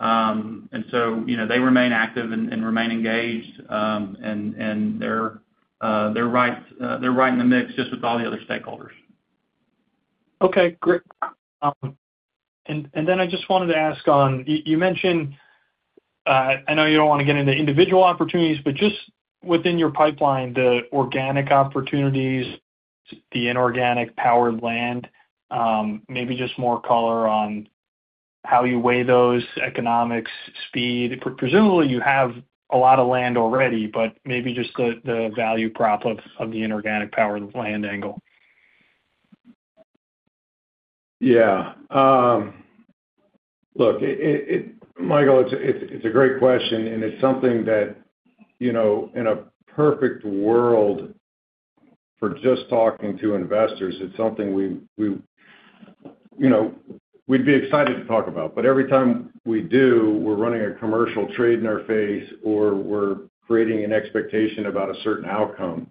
You know, they remain active and remain engaged and they're right in the mix just with all the other stakeholders. Okay, great. Then I just wanted to ask on you mentioned, I know you don't wanna get into individual opportunities, but just within your pipeline, the organic opportunities, the inorganic powered land, maybe just more color on how you weigh those economics speed. Presumably, you have a lot of land already, but maybe just the value prop of the inorganic powered land angle. Yeah. Look, Michael, it's a great question, and it's something that, you know, in a perfect world for just talking to investors, it's something we, you know, we'd be excited to talk about. Every time we do, we're running a commercial trade in our face, or we're creating an expectation about a certain outcome.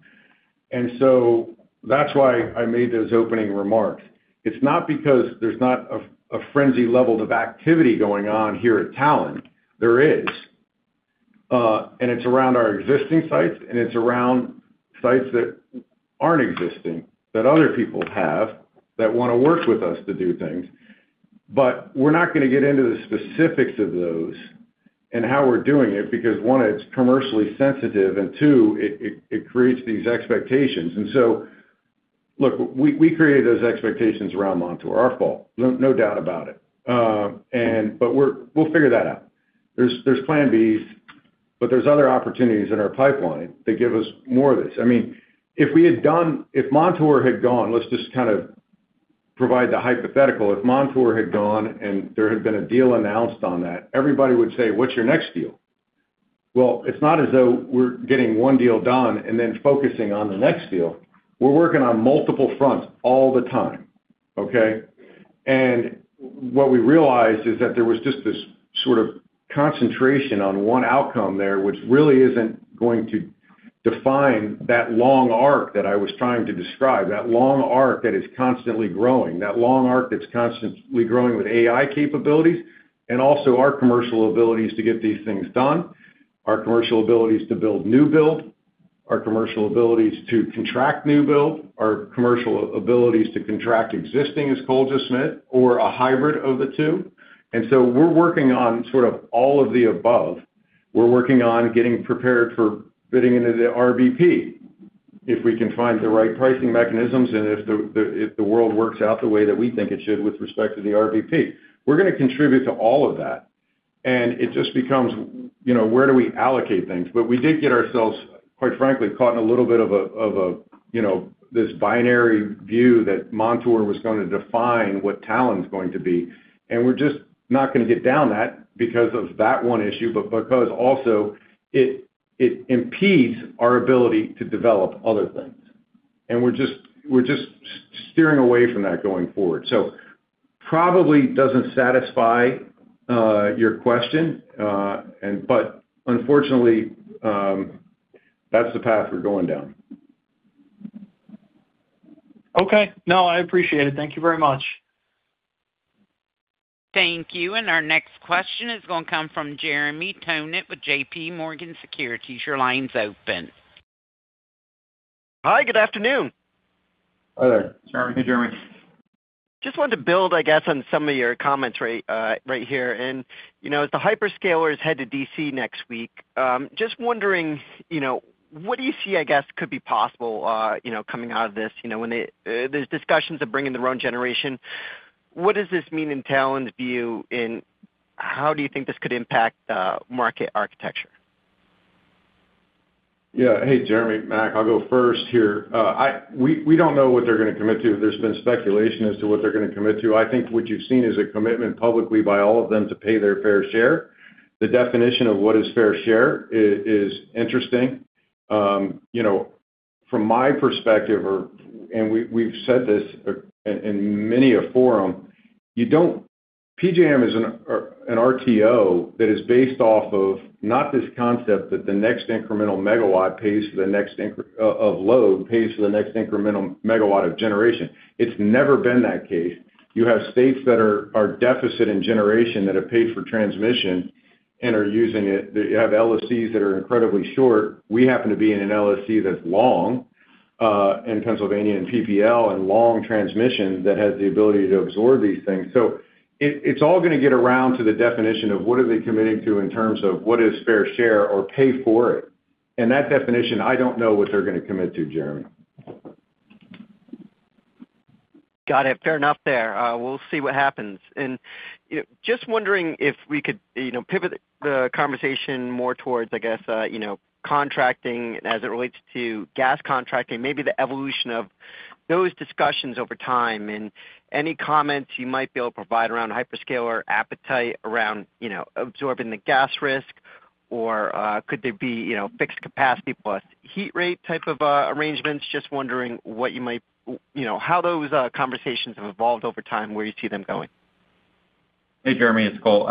That's why I made those opening remarks. It's not because there's not a frenzy level of activity going on here at Talen. There is. And it's around our existing sites, and it's around sites that aren't existing, that other people have that wanna work with us to do things. We're not gonna get into the specifics of those and how we're doing it, because one, it's commercially sensitive, and two, it creates these expectations. Look, we created those expectations around Montour, our fault, no doubt about it. We'll figure that out. There's plan Bs, but there's other opportunities in our pipeline that give us more of this. I mean, if Montour had gone, let's just kind of provide the hypothetical. If Montour had gone and there had been a deal announced on that, everybody would say, "What's your next deal?" It's not as though we're getting one deal done and then focusing on the next deal. We're working on multiple fronts all the time. Okay? What we realized is that there was just this sort of concentration on one outcome there, which really isn't going to define that long arc that I was trying to describe, that long arc that is constantly growing, that long arc that's constantly growing with AI capabilities and also our commercial abilities to get these things done, our commercial abilities to build new build, our commercial abilities to contract new build, our commercial abilities to contract existing, as Cole just said, or a hybrid of the two. We're working on sort of all of the above. We're working on getting prepared for fitting into the RVP if we can find the right pricing mechanisms and if the world works out the way that we think it should with respect to the RVP. We're gonna contribute to all of that. It just becomes, you know, where do we allocate things? We did get ourselves, quite frankly, caught in a little bit of a, you know, this binary view that Montour was gonna define what Talen's going to be. We're just steering away from that going forward. Probably doesn't satisfy your question, unfortunately, that's the path we're going down. Okay. No, I appreciate it. Thank you very much. Thank you. Our next question is gonna come from Jeremy Tonet with JPMorgan Securities. Your line's open. Hi, good afternoon. Hi there. Jeremy. Hey, Jeremy. Just wanted to build, I guess, on some of your commentary, right here. You know, as the hyperscalers head to D.C. next week, just wondering, you know, what do you see, I guess, could be possible, you know, coming out of this? You know, when there's discussions of bringing their own generation. What does this mean in Talen's view, and how do you think this could impact market architecture? Yeah. Hey, Jeremy. Mac, I'll go first here. We don't know what they're gonna commit to. There's been speculation as to what they're gonna commit to. I think what you've seen is a commitment publicly by all of them to pay their fair share. The definition of what is fair share is interesting. You know, from my perspective and we've said this in many a forum, PJM is an RTO that is based off of not this concept that the next incremental megawatt pays for the next of load pays for the next incremental megawatt of generation. It's never been that case. You have states that are deficit in generation that have paid for transmission and are using it. They have LSEs that are incredibly short. We happen to be in an LSE that's long in Pennsylvania and PPL and long transmission that has the ability to absorb these things. It, it's all gonna get around to the definition of what are they committing to in terms of what is fair share or pay for it. That definition, I don't know what they're gonna commit to, Jeremy. Got it. Fair enough there. We'll see what happens. You know, just wondering if we could, you know, pivot the conversation more towards, I guess, you know, contracting as it relates to gas contracting, maybe the evolution of those discussions over time. Any comments you might be able to provide around hyperscaler appetite around, you know, absorbing the gas risk or, could there be, you know, fixed capacity plus heat rate type of arrangements? Just wondering what you might, you know, how those conversations have evolved over time, where you see them going. Hey, Jeremy, it's Cole.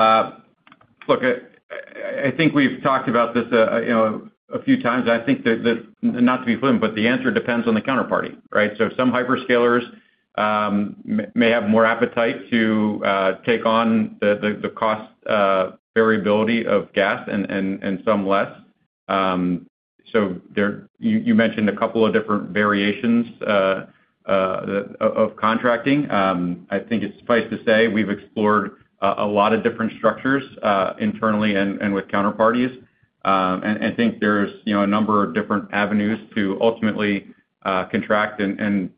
look, I think we've talked about this, you know, a few times. I think that not to be flippant, but the answer depends on the counterparty, right? some hyperscalers may have more appetite to take on the cost variability of gas and some less. you mentioned a couple of different variations of contracting. I think it's suffice to say we've explored a lot of different structures internally and with counterparties. and think there's, you know, a number of different avenues to ultimately contract and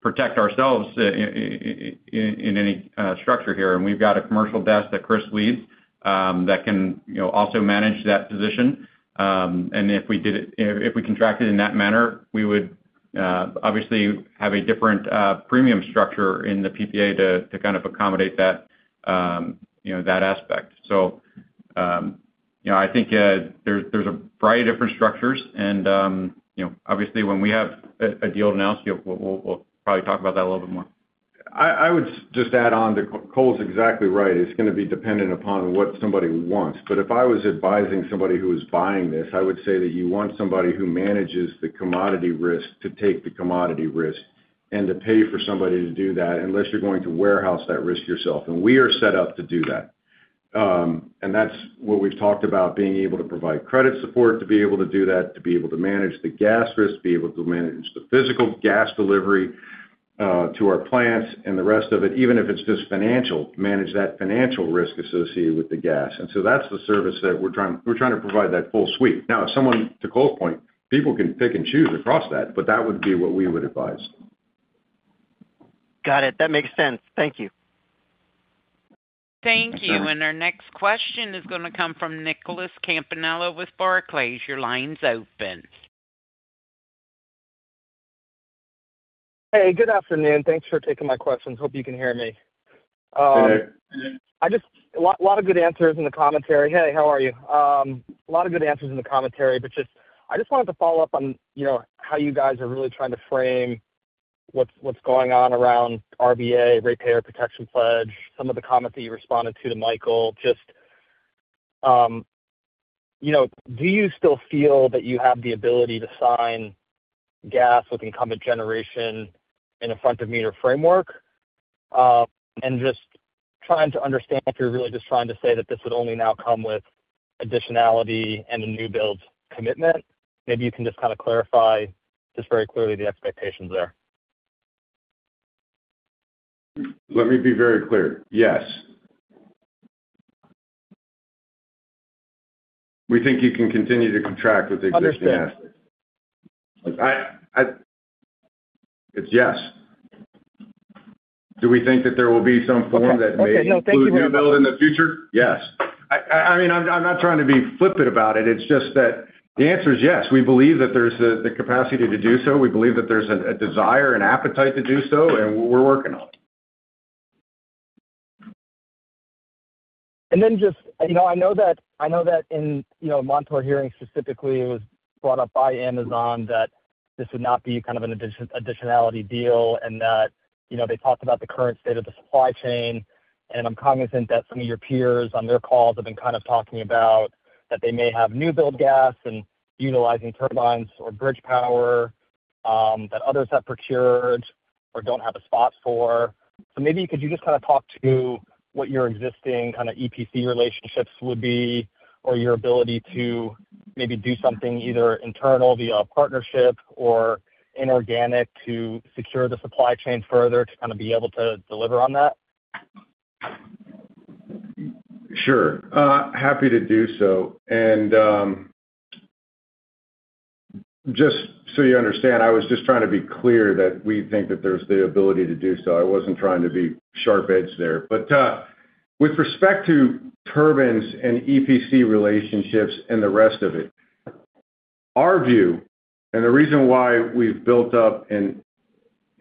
protect ourselves in any structure here. We've got a commercial desk that Chris leads that can, you know, also manage that position. If we contract it in that manner, we would obviously have a different premium structure in the PPA to kind of accommodate that, you know, that aspect. You know, I think there's a variety of different structures and, you know, obviously when we have a deal to announce, we'll probably talk about that a little bit more. I would just add on to Cole's exactly right. It's going to be dependent upon what somebody wants. If I was advising somebody who is buying this, I would say that you want somebody who manages the commodity risk to take the commodity risk and to pay for somebody to do that unless you're going to warehouse that risk yourself. We are set up to do that. That's what we've talked about being able to provide credit support to be able to do that, to be able to manage the gas risk, to be able to manage the physical gas delivery to our plants and the rest of it, even if it's just financial, manage that financial risk associated with the gas. That's the service that we're trying to provide that full suite. If someone, to Cole's point, people can pick and choose across that, but that would be what we would advise. Got it. That makes sense. Thank you. Thank you. Our next question is gonna come from Nicholas Campanella with Barclays. Your line's open. Hey, good afternoon. Thanks for taking my questions. Hope you can hear me. a lot of good answers in the commentary. Hey, how are you? a lot of good answers in the commentary. I just wanted to follow up on, you know, how you guys are really trying to frame what's going on around RBA, ratepayer protection pledge, some of the comments that you responded to Michael. you know, do you still feel that you have the ability to sign gas with incumbent generation in a front-of-the-meter framework? just trying to understand if you're really just trying to say that this would only now come with additionality and a new build commitment. Maybe you can just kind of clarify just very clearly the expectations there. Let me be very clear. Yes. We think you can continue to contract with existing assets. Understand. It's yes. Do we think that there will be some form? Okay. No, thank you very much. ...may include new build in the future? Yes. I mean, I'm not trying to be flippant about it. It's just that the answer is yes. We believe that there's the capacity to do so. We believe that there's a desire and appetite to do so. We're working on it. Just, you know, I know that in, you know, Montour Hearing specifically, it was brought up by Amazon that this would not be kind of an additionality deal and that, you know, they talked about the current state of the supply chain. I'm cognizant that some of your peers on their calls have been kind of talking about that they may have new build gas and utilizing turbines or bridge power that others have procured or don't have a spot for. Maybe could you just kind of talk to what your existing kind of EPC relationships would be or your ability to maybe do something either internal via a partnership or inorganic to secure the supply chain further to kind of be able to deliver on that? Sure. Happy to do so. Just so you understand, I was just trying to be clear that we think that there's the ability to do so. I wasn't trying to be sharp-edged there. With respect to turbines and EPC relationships and the rest of it, our view and the reason why we've built up and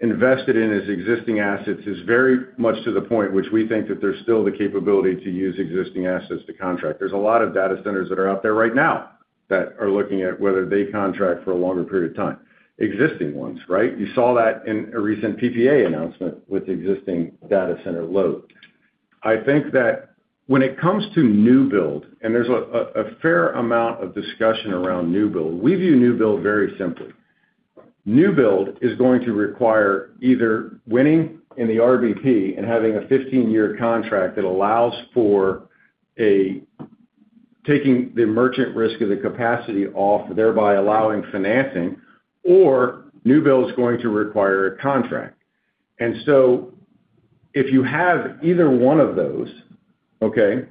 invested in these existing assets is very much to the point which we think that there's still the capability to use existing assets to contract. There's a lot of data centers that are out there right now that are looking at whether they contract for a longer period of time. Existing ones, right? You saw that in a recent PPA announcement with existing data center load. I think that when it comes to new build, and there's a fair amount of discussion around new build, we view new build very simply. New build is going to require either winning in the RBP and having a 15-year contract that allows for a taking the merchant risk of the capacity off, thereby allowing financing, or new build is going to require a contract. If you have either one of those, okay,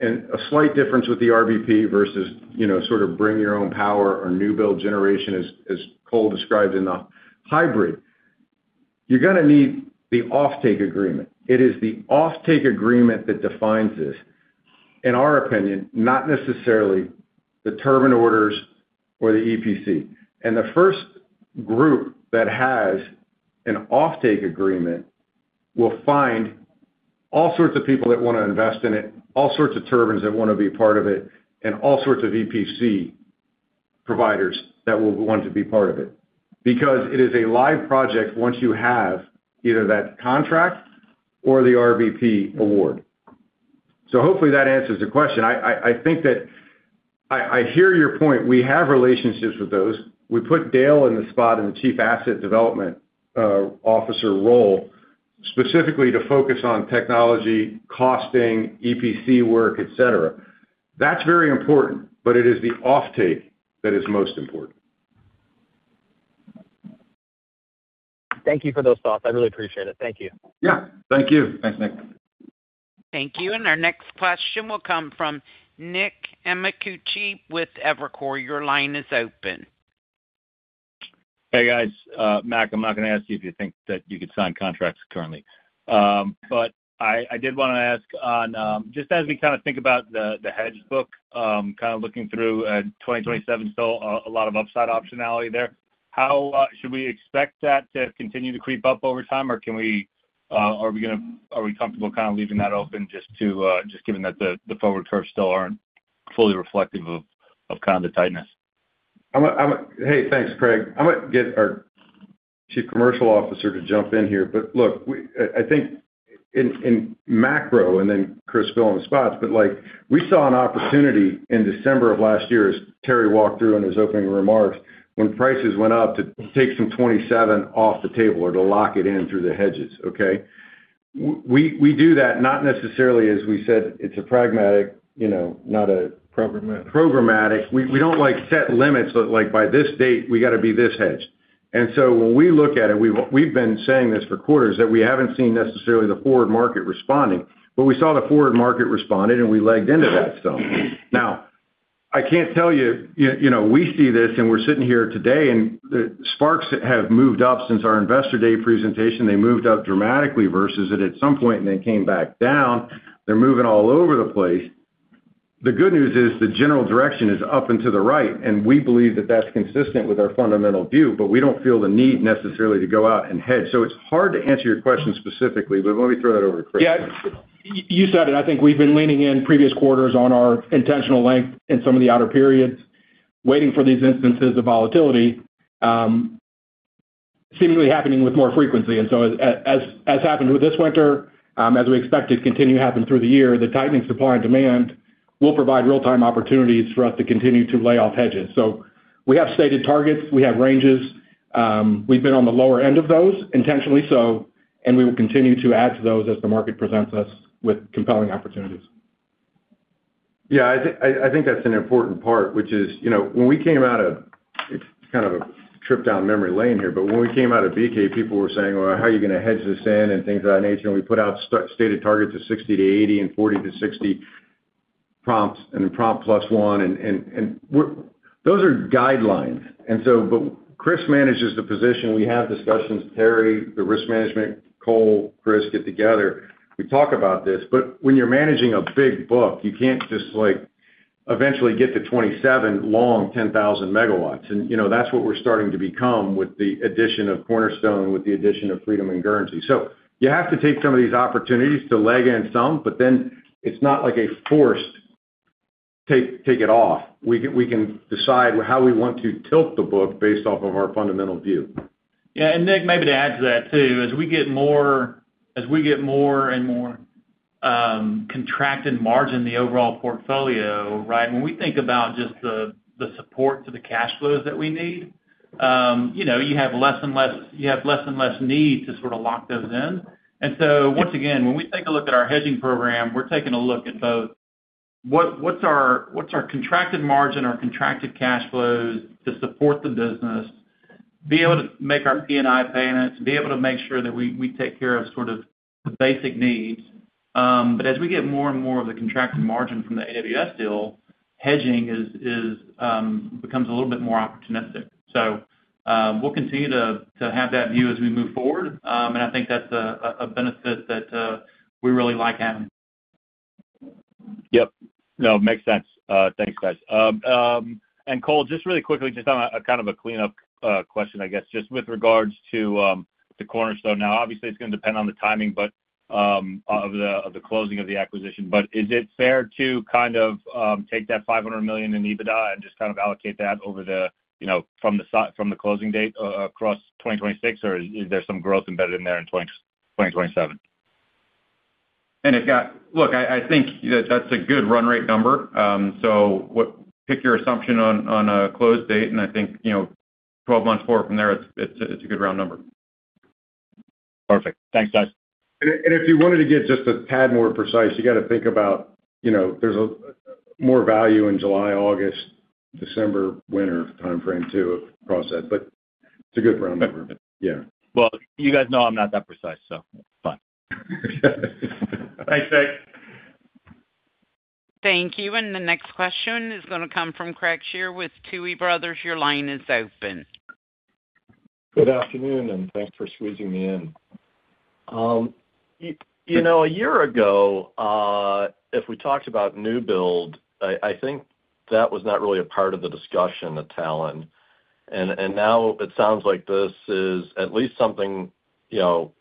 and a slight difference with the RBP versus, you know, sort of bring your own power or new build generation as Cole described in the hybrid, you're gonna need the offtake agreement. It is the offtake agreement that defines this, in our opinion, not necessarily the turbine orders or the EPC. The first group that has an offtake agreement will find all sorts of people that wanna invest in it, all sorts of turbines that wanna be part of it, and all sorts of EPC providers that will want to be part of it. It is a live project once you have either that contract or the RBP award. Hopefully that answers the question. I think that. I hear your point. We have relationships with those. We put Dale in the spot in the Chief Asset Development Officer role specifically to focus on technology, costing, EPC work, et cetera. That's very important, but it is the offtake that is most important. Thank you for those thoughts. I really appreciate it. Thank you. Yeah, thank you. Thanks, Nick. Thank you. Our next question will come from Nick Amicucci with Evercore. Your line is open. Hey, guys. Mac, I'm not gonna ask you if you think that you could sign contracts currently. I did wanna ask on just as we kind of think about the hedge book, kind of looking through 2027, still a lot of upside optionality there. How should we expect that to continue to creep up over time, or can we, are we comfortable kind of leaving that open just to, just given that the forward curves still aren't fully reflective of kind of the tightness? I'ma... Hey, thanks, Craig. I'm gonna get our chief commercial officer to jump in here. Look, we... I think in macro, and then Chris, fill in the spots, but, like, we saw an opportunity in December of last year, as Terry walked through in his opening remarks, when prices went up to take some 27 off the table or to lock it in through the hedges, okay? We do that not necessarily as we said, it's a pragmatic, you know, not a- Programmatic. Programmatic. We don't, like, set limits, like, by this date we gotta be this hedged. When we look at it, we've been saying this for quarters, that we haven't seen necessarily the forward market responding. We saw the forward market responded, and we legged into that stone. Now, I can't tell you know, we see this, and we're sitting here today, and the sparks have moved up since our Investor Day presentation. They moved up dramatically versus at some point, and they came back down. They're moving all over the place. The good news is the general direction is up and to the right, and we believe that that's consistent with our fundamental view, but we don't feel the need necessarily to go out and hedge. It's hard to answer your question specifically, but let me throw that over to Chris. Yeah. You said it. I think we've been leaning in previous quarters on our intentional length in some of the outer periods, waiting for these instances of volatility, seemingly happening with more frequency. As happened with this winter, as we expect it continue to happen through the year, the tightening supply and demand will provide real-time opportunities for us to continue to lay off hedges. We have stated targets. We have ranges. We've been on the lower end of those, intentionally so, and we will continue to add to those as the market presents us with compelling opportunities. Yeah. I think that's an important part, which is, you know, when we came out of It's kind of a trip down memory lane here. When we came out of BK, people were saying, "Well, how are you going to hedge this in?" Things of that nature. We put out stated targets of 60-80 and 40-60 prompts, and then prompt +1. Those are guidelines. Chris manages the position. We have discussions. Terry, the risk management, Cole, Chris get together. We talk about this. When you're managing a big book, you can't just, like, eventually get to 27 long 10,000 megawatts. You know, that's what we're starting to become with the addition of Cornerstone, with the addition of Freedom and Guernsey. You have to take some of these opportunities to leg in some, but then it's not like a forced take it off. We can decide how we want to tilt the book based off of our fundamental view. Yeah. Nick, maybe to add to that too. As we get more and more contracted margin in the overall portfolio, right? When we think about just the support to the cash flows that we need, you know, you have less and less need to sort of lock those in. Once again, when we take a look at our hedging program, we're taking a look at both what's our contracted margin or contracted cash flows to support the business, be able to make our P&I payments, be able to make sure that we take care of sort of the basic needs. As we get more and more of the contracted margin from the AWS deal, hedging becomes a little bit more opportunistic. We'll continue to have that view as we move forward. I think that's a benefit that we really like having. Yep. No, makes sense. Thanks, guys. Cole, just really quickly, just on a kind of a cleanup question, I guess, just with regards to Cornerstone. Now, obviously, it's going to depend on the timing, but of the closing of the acquisition. Is it fair to kind of take that $500 million in EBITDA and just kind of allocate that over the, you know, from the closing date across 2026 or is there some growth embedded in there in 2027? Look, I think that that's a good run rate number. Pick your assumption on a close date, I think, you know, 12 months forward from there, it's a good round number. Perfect. Thanks, guys. If you wanted to get just a tad more precise, you got to think about, you know, there's more value in July, August, December, winter timeframe too across that, but it's a good round number. Yeah. Well, you guys know I'm not that precise, so fine. Thanks, Nick. Thank you. The next question is gonna come from Craig Shere with Tuohy Brothers. Your line is open. Good afternoon, and thanks for squeezing me in. You know, a year ago, if we talked about new build, I think that was not really a part of the discussion at Talen. Now it sounds like this is at least something, you know,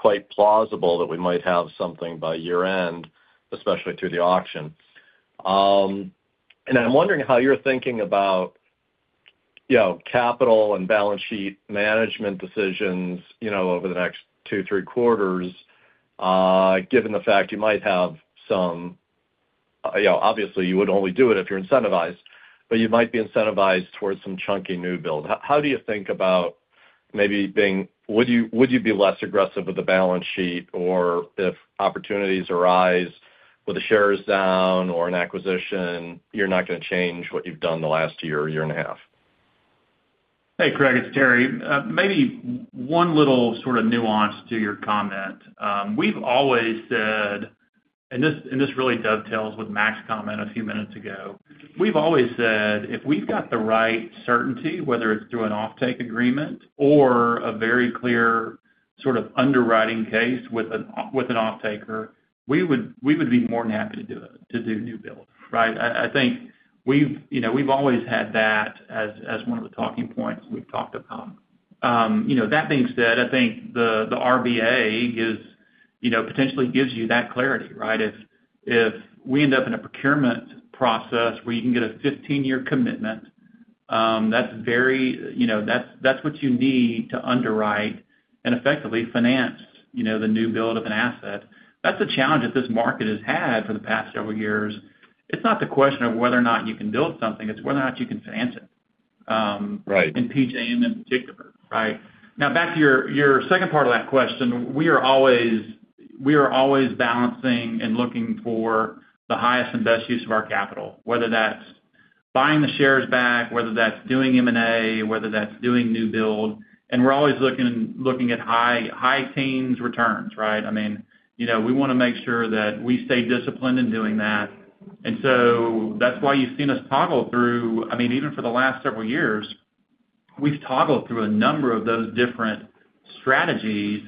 quite plausible that we might have something by year-end, especially through the auction. I'm wondering how you're thinking about, you know, capital and balance sheet management decisions, you know, over the next two, three quarters, given the fact you might have some, you know, obviously, you would only do it if you're incentivized, but you might be incentivized towards some chunky new build. How do you think about maybe being less aggressive with the balance sheet? If opportunities arise with the shares down or an acquisition, you're not going to change what you've done the last year or year and a half? Hey, Craig, it's Terry. Maybe one little sort of nuance to your comment. We've always said, and this really dovetails with Mac's comment a few minutes ago. We've always said, if we've got the right certainty, whether it's through an offtake agreement or a very clear sort of underwriting case with an offtaker, we would be more than happy to do new builds. Right? I think we've, you know, we've always had that as one of the talking points we've talked about. You know, that being said, I think the RBA, you know, potentially gives you that clarity, right? If we end up in a procurement process where you can get a 15-year commitment, that's very, you know, that's what you need to underwrite and effectively finance, you know, the new build of an asset. That's a challenge that this market has had for the past several years. It's not the question of whether or not you can build something, it's whether or not you can finance it. Right. Back to your second part of that question. We are always balancing and looking for the highest and best use of our capital, whether that's buying the shares back, whether that's doing M&A, whether that's doing new build. We're always looking at high teens returns, right? I mean, you know, we wanna make sure that we stay disciplined in doing that. That's why you've seen us toggle through, I mean, even for the last several years. We've toggled through a number of those different strategies,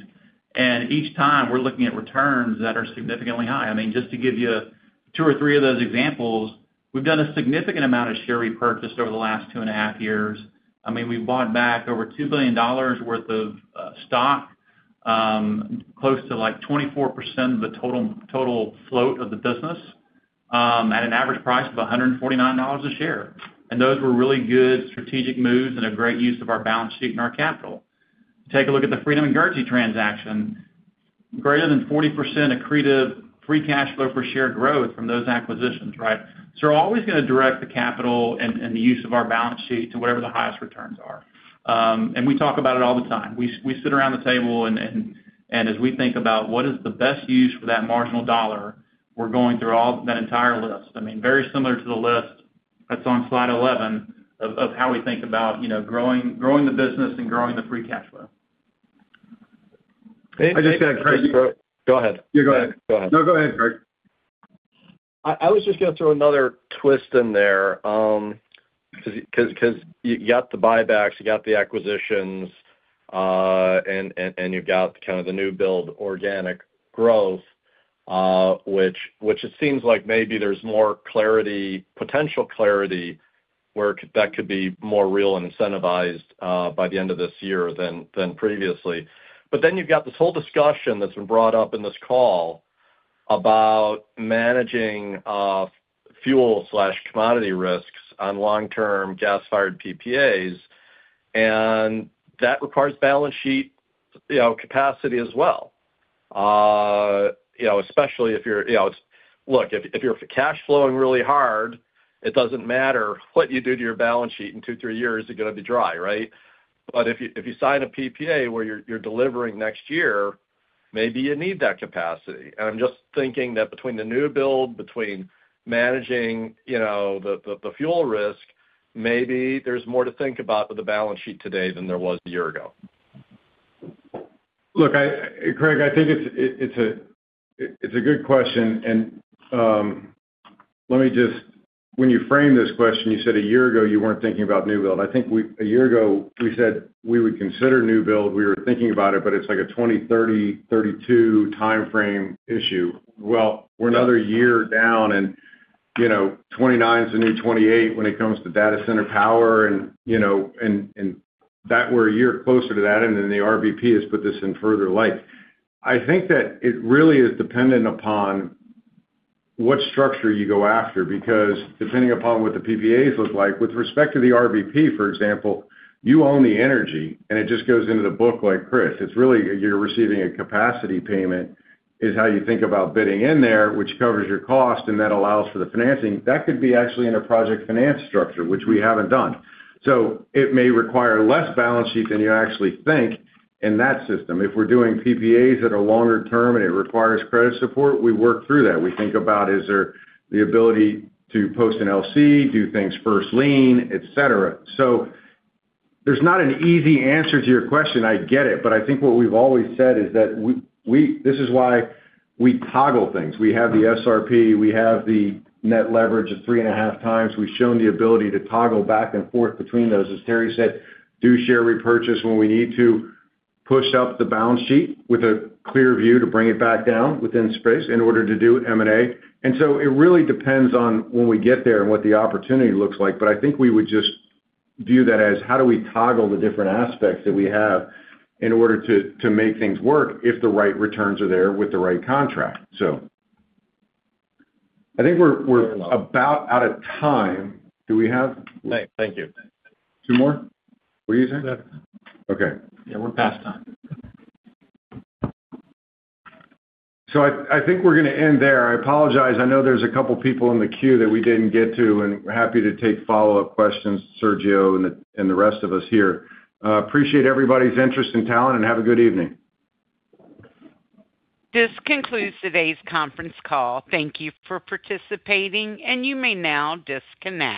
and each time we're looking at returns that are significantly high. I mean, just to give you two or three of those examples, we've done a significant amount of share repurchase over the last two and a half years. I mean, we bought back over $2 billion worth of stock, close to, like, 24% of the total float of the business, at an average price of $149 a share. Those were really good strategic moves and a great use of our balance sheet and our capital. Take a look at the Freedom and Guernsey transaction, greater than 40% accretive free cash flow per share growth from those acquisitions, right? We're always gonna direct the capital and the use of our balance sheet to whatever the highest returns are. We talk about it all the time. We sit around the table and as we think about what is the best use for that marginal dollar, we're going through all that entire list. I mean, very similar to the list that's on slide 11 of how we think about, you know, growing the business and growing the free cash flow. I just got- Go ahead. You go ahead. Go ahead. No, go ahead, Greg. I was just gonna throw another twist in there, 'cause you got the buybacks, you got the acquisitions, and you've got kind of the new build organic growth, which it seems like maybe there's more clarity, potential clarity where that could be more real and incentivized by the end of this year than previously. You've got this whole discussion that's been brought up in this call about managing fuel/commodity risks on long-term gas-fired PPAs, and that requires balance sheet, you know, capacity as well. You know, especially if you're, you know... Look, if you're cash flowing really hard, it doesn't matter what you do to your balance sheet. In two, three years, you're gonna be dry, right? If you sign a PPA where you're delivering next year, maybe you need that capacity. I'm just thinking that between the new build, between managing, you know, the fuel risk, maybe there's more to think about with the balance sheet today than there was a year ago. Look, Craig, I think it's a good question. When you framed this question, you said a year ago you weren't thinking about new build. I think a year ago, we said we would consider new build. We were thinking about it, but it's like a 2030, 32 timeframe issue. Well, we're another year down and, you know, 29 is the new 28 when it comes to data center power and, you know, that we're a year closer to that, and then the RVP has put this in further light. I think that it really is dependent upon what structure you go after, because depending upon what the PPAs look like, with respect to the RVP, for example, you own the energy, and it just goes into the book like Chris. It's really you're receiving a capacity payment is how you think about bidding in there, which covers your cost. That allows for the financing. That could be actually in a project finance structure, which we haven't done. It may require less balance sheet than you actually think in that system. If we're doing PPAs that are longer term and it requires credit support, we work through that. We think about is there the ability to post an LC, do things first lien, et cetera. There's not an easy answer to your question, I get it. I think what we've always said is that we, this is why we toggle things. We have the SRP, we have the net leverage of 3.5x. We've shown the ability to toggle back and forth between those. As Terry said, do share repurchase when we need to, push up the balance sheet with a clear view to bring it back down within space in order to do M&A. It really depends on when we get there and what the opportunity looks like. I think we would just view that as how do we toggle the different aspects that we have in order to make things work if the right returns are there with the right contract. I think we're about out of time. Do we have- Thank you. Two more? What do you say? Yeah. Okay. Yeah, we're past time. I think we're gonna end there. I apologize. I know there's a couple people in the queue that we didn't get to, and we're happy to take follow-up questions, Sergio and the rest of us here. Appreciate everybody's interest in Talen, and have a good evening. This concludes today's conference call. Thank you for participating, and you may now disconnect.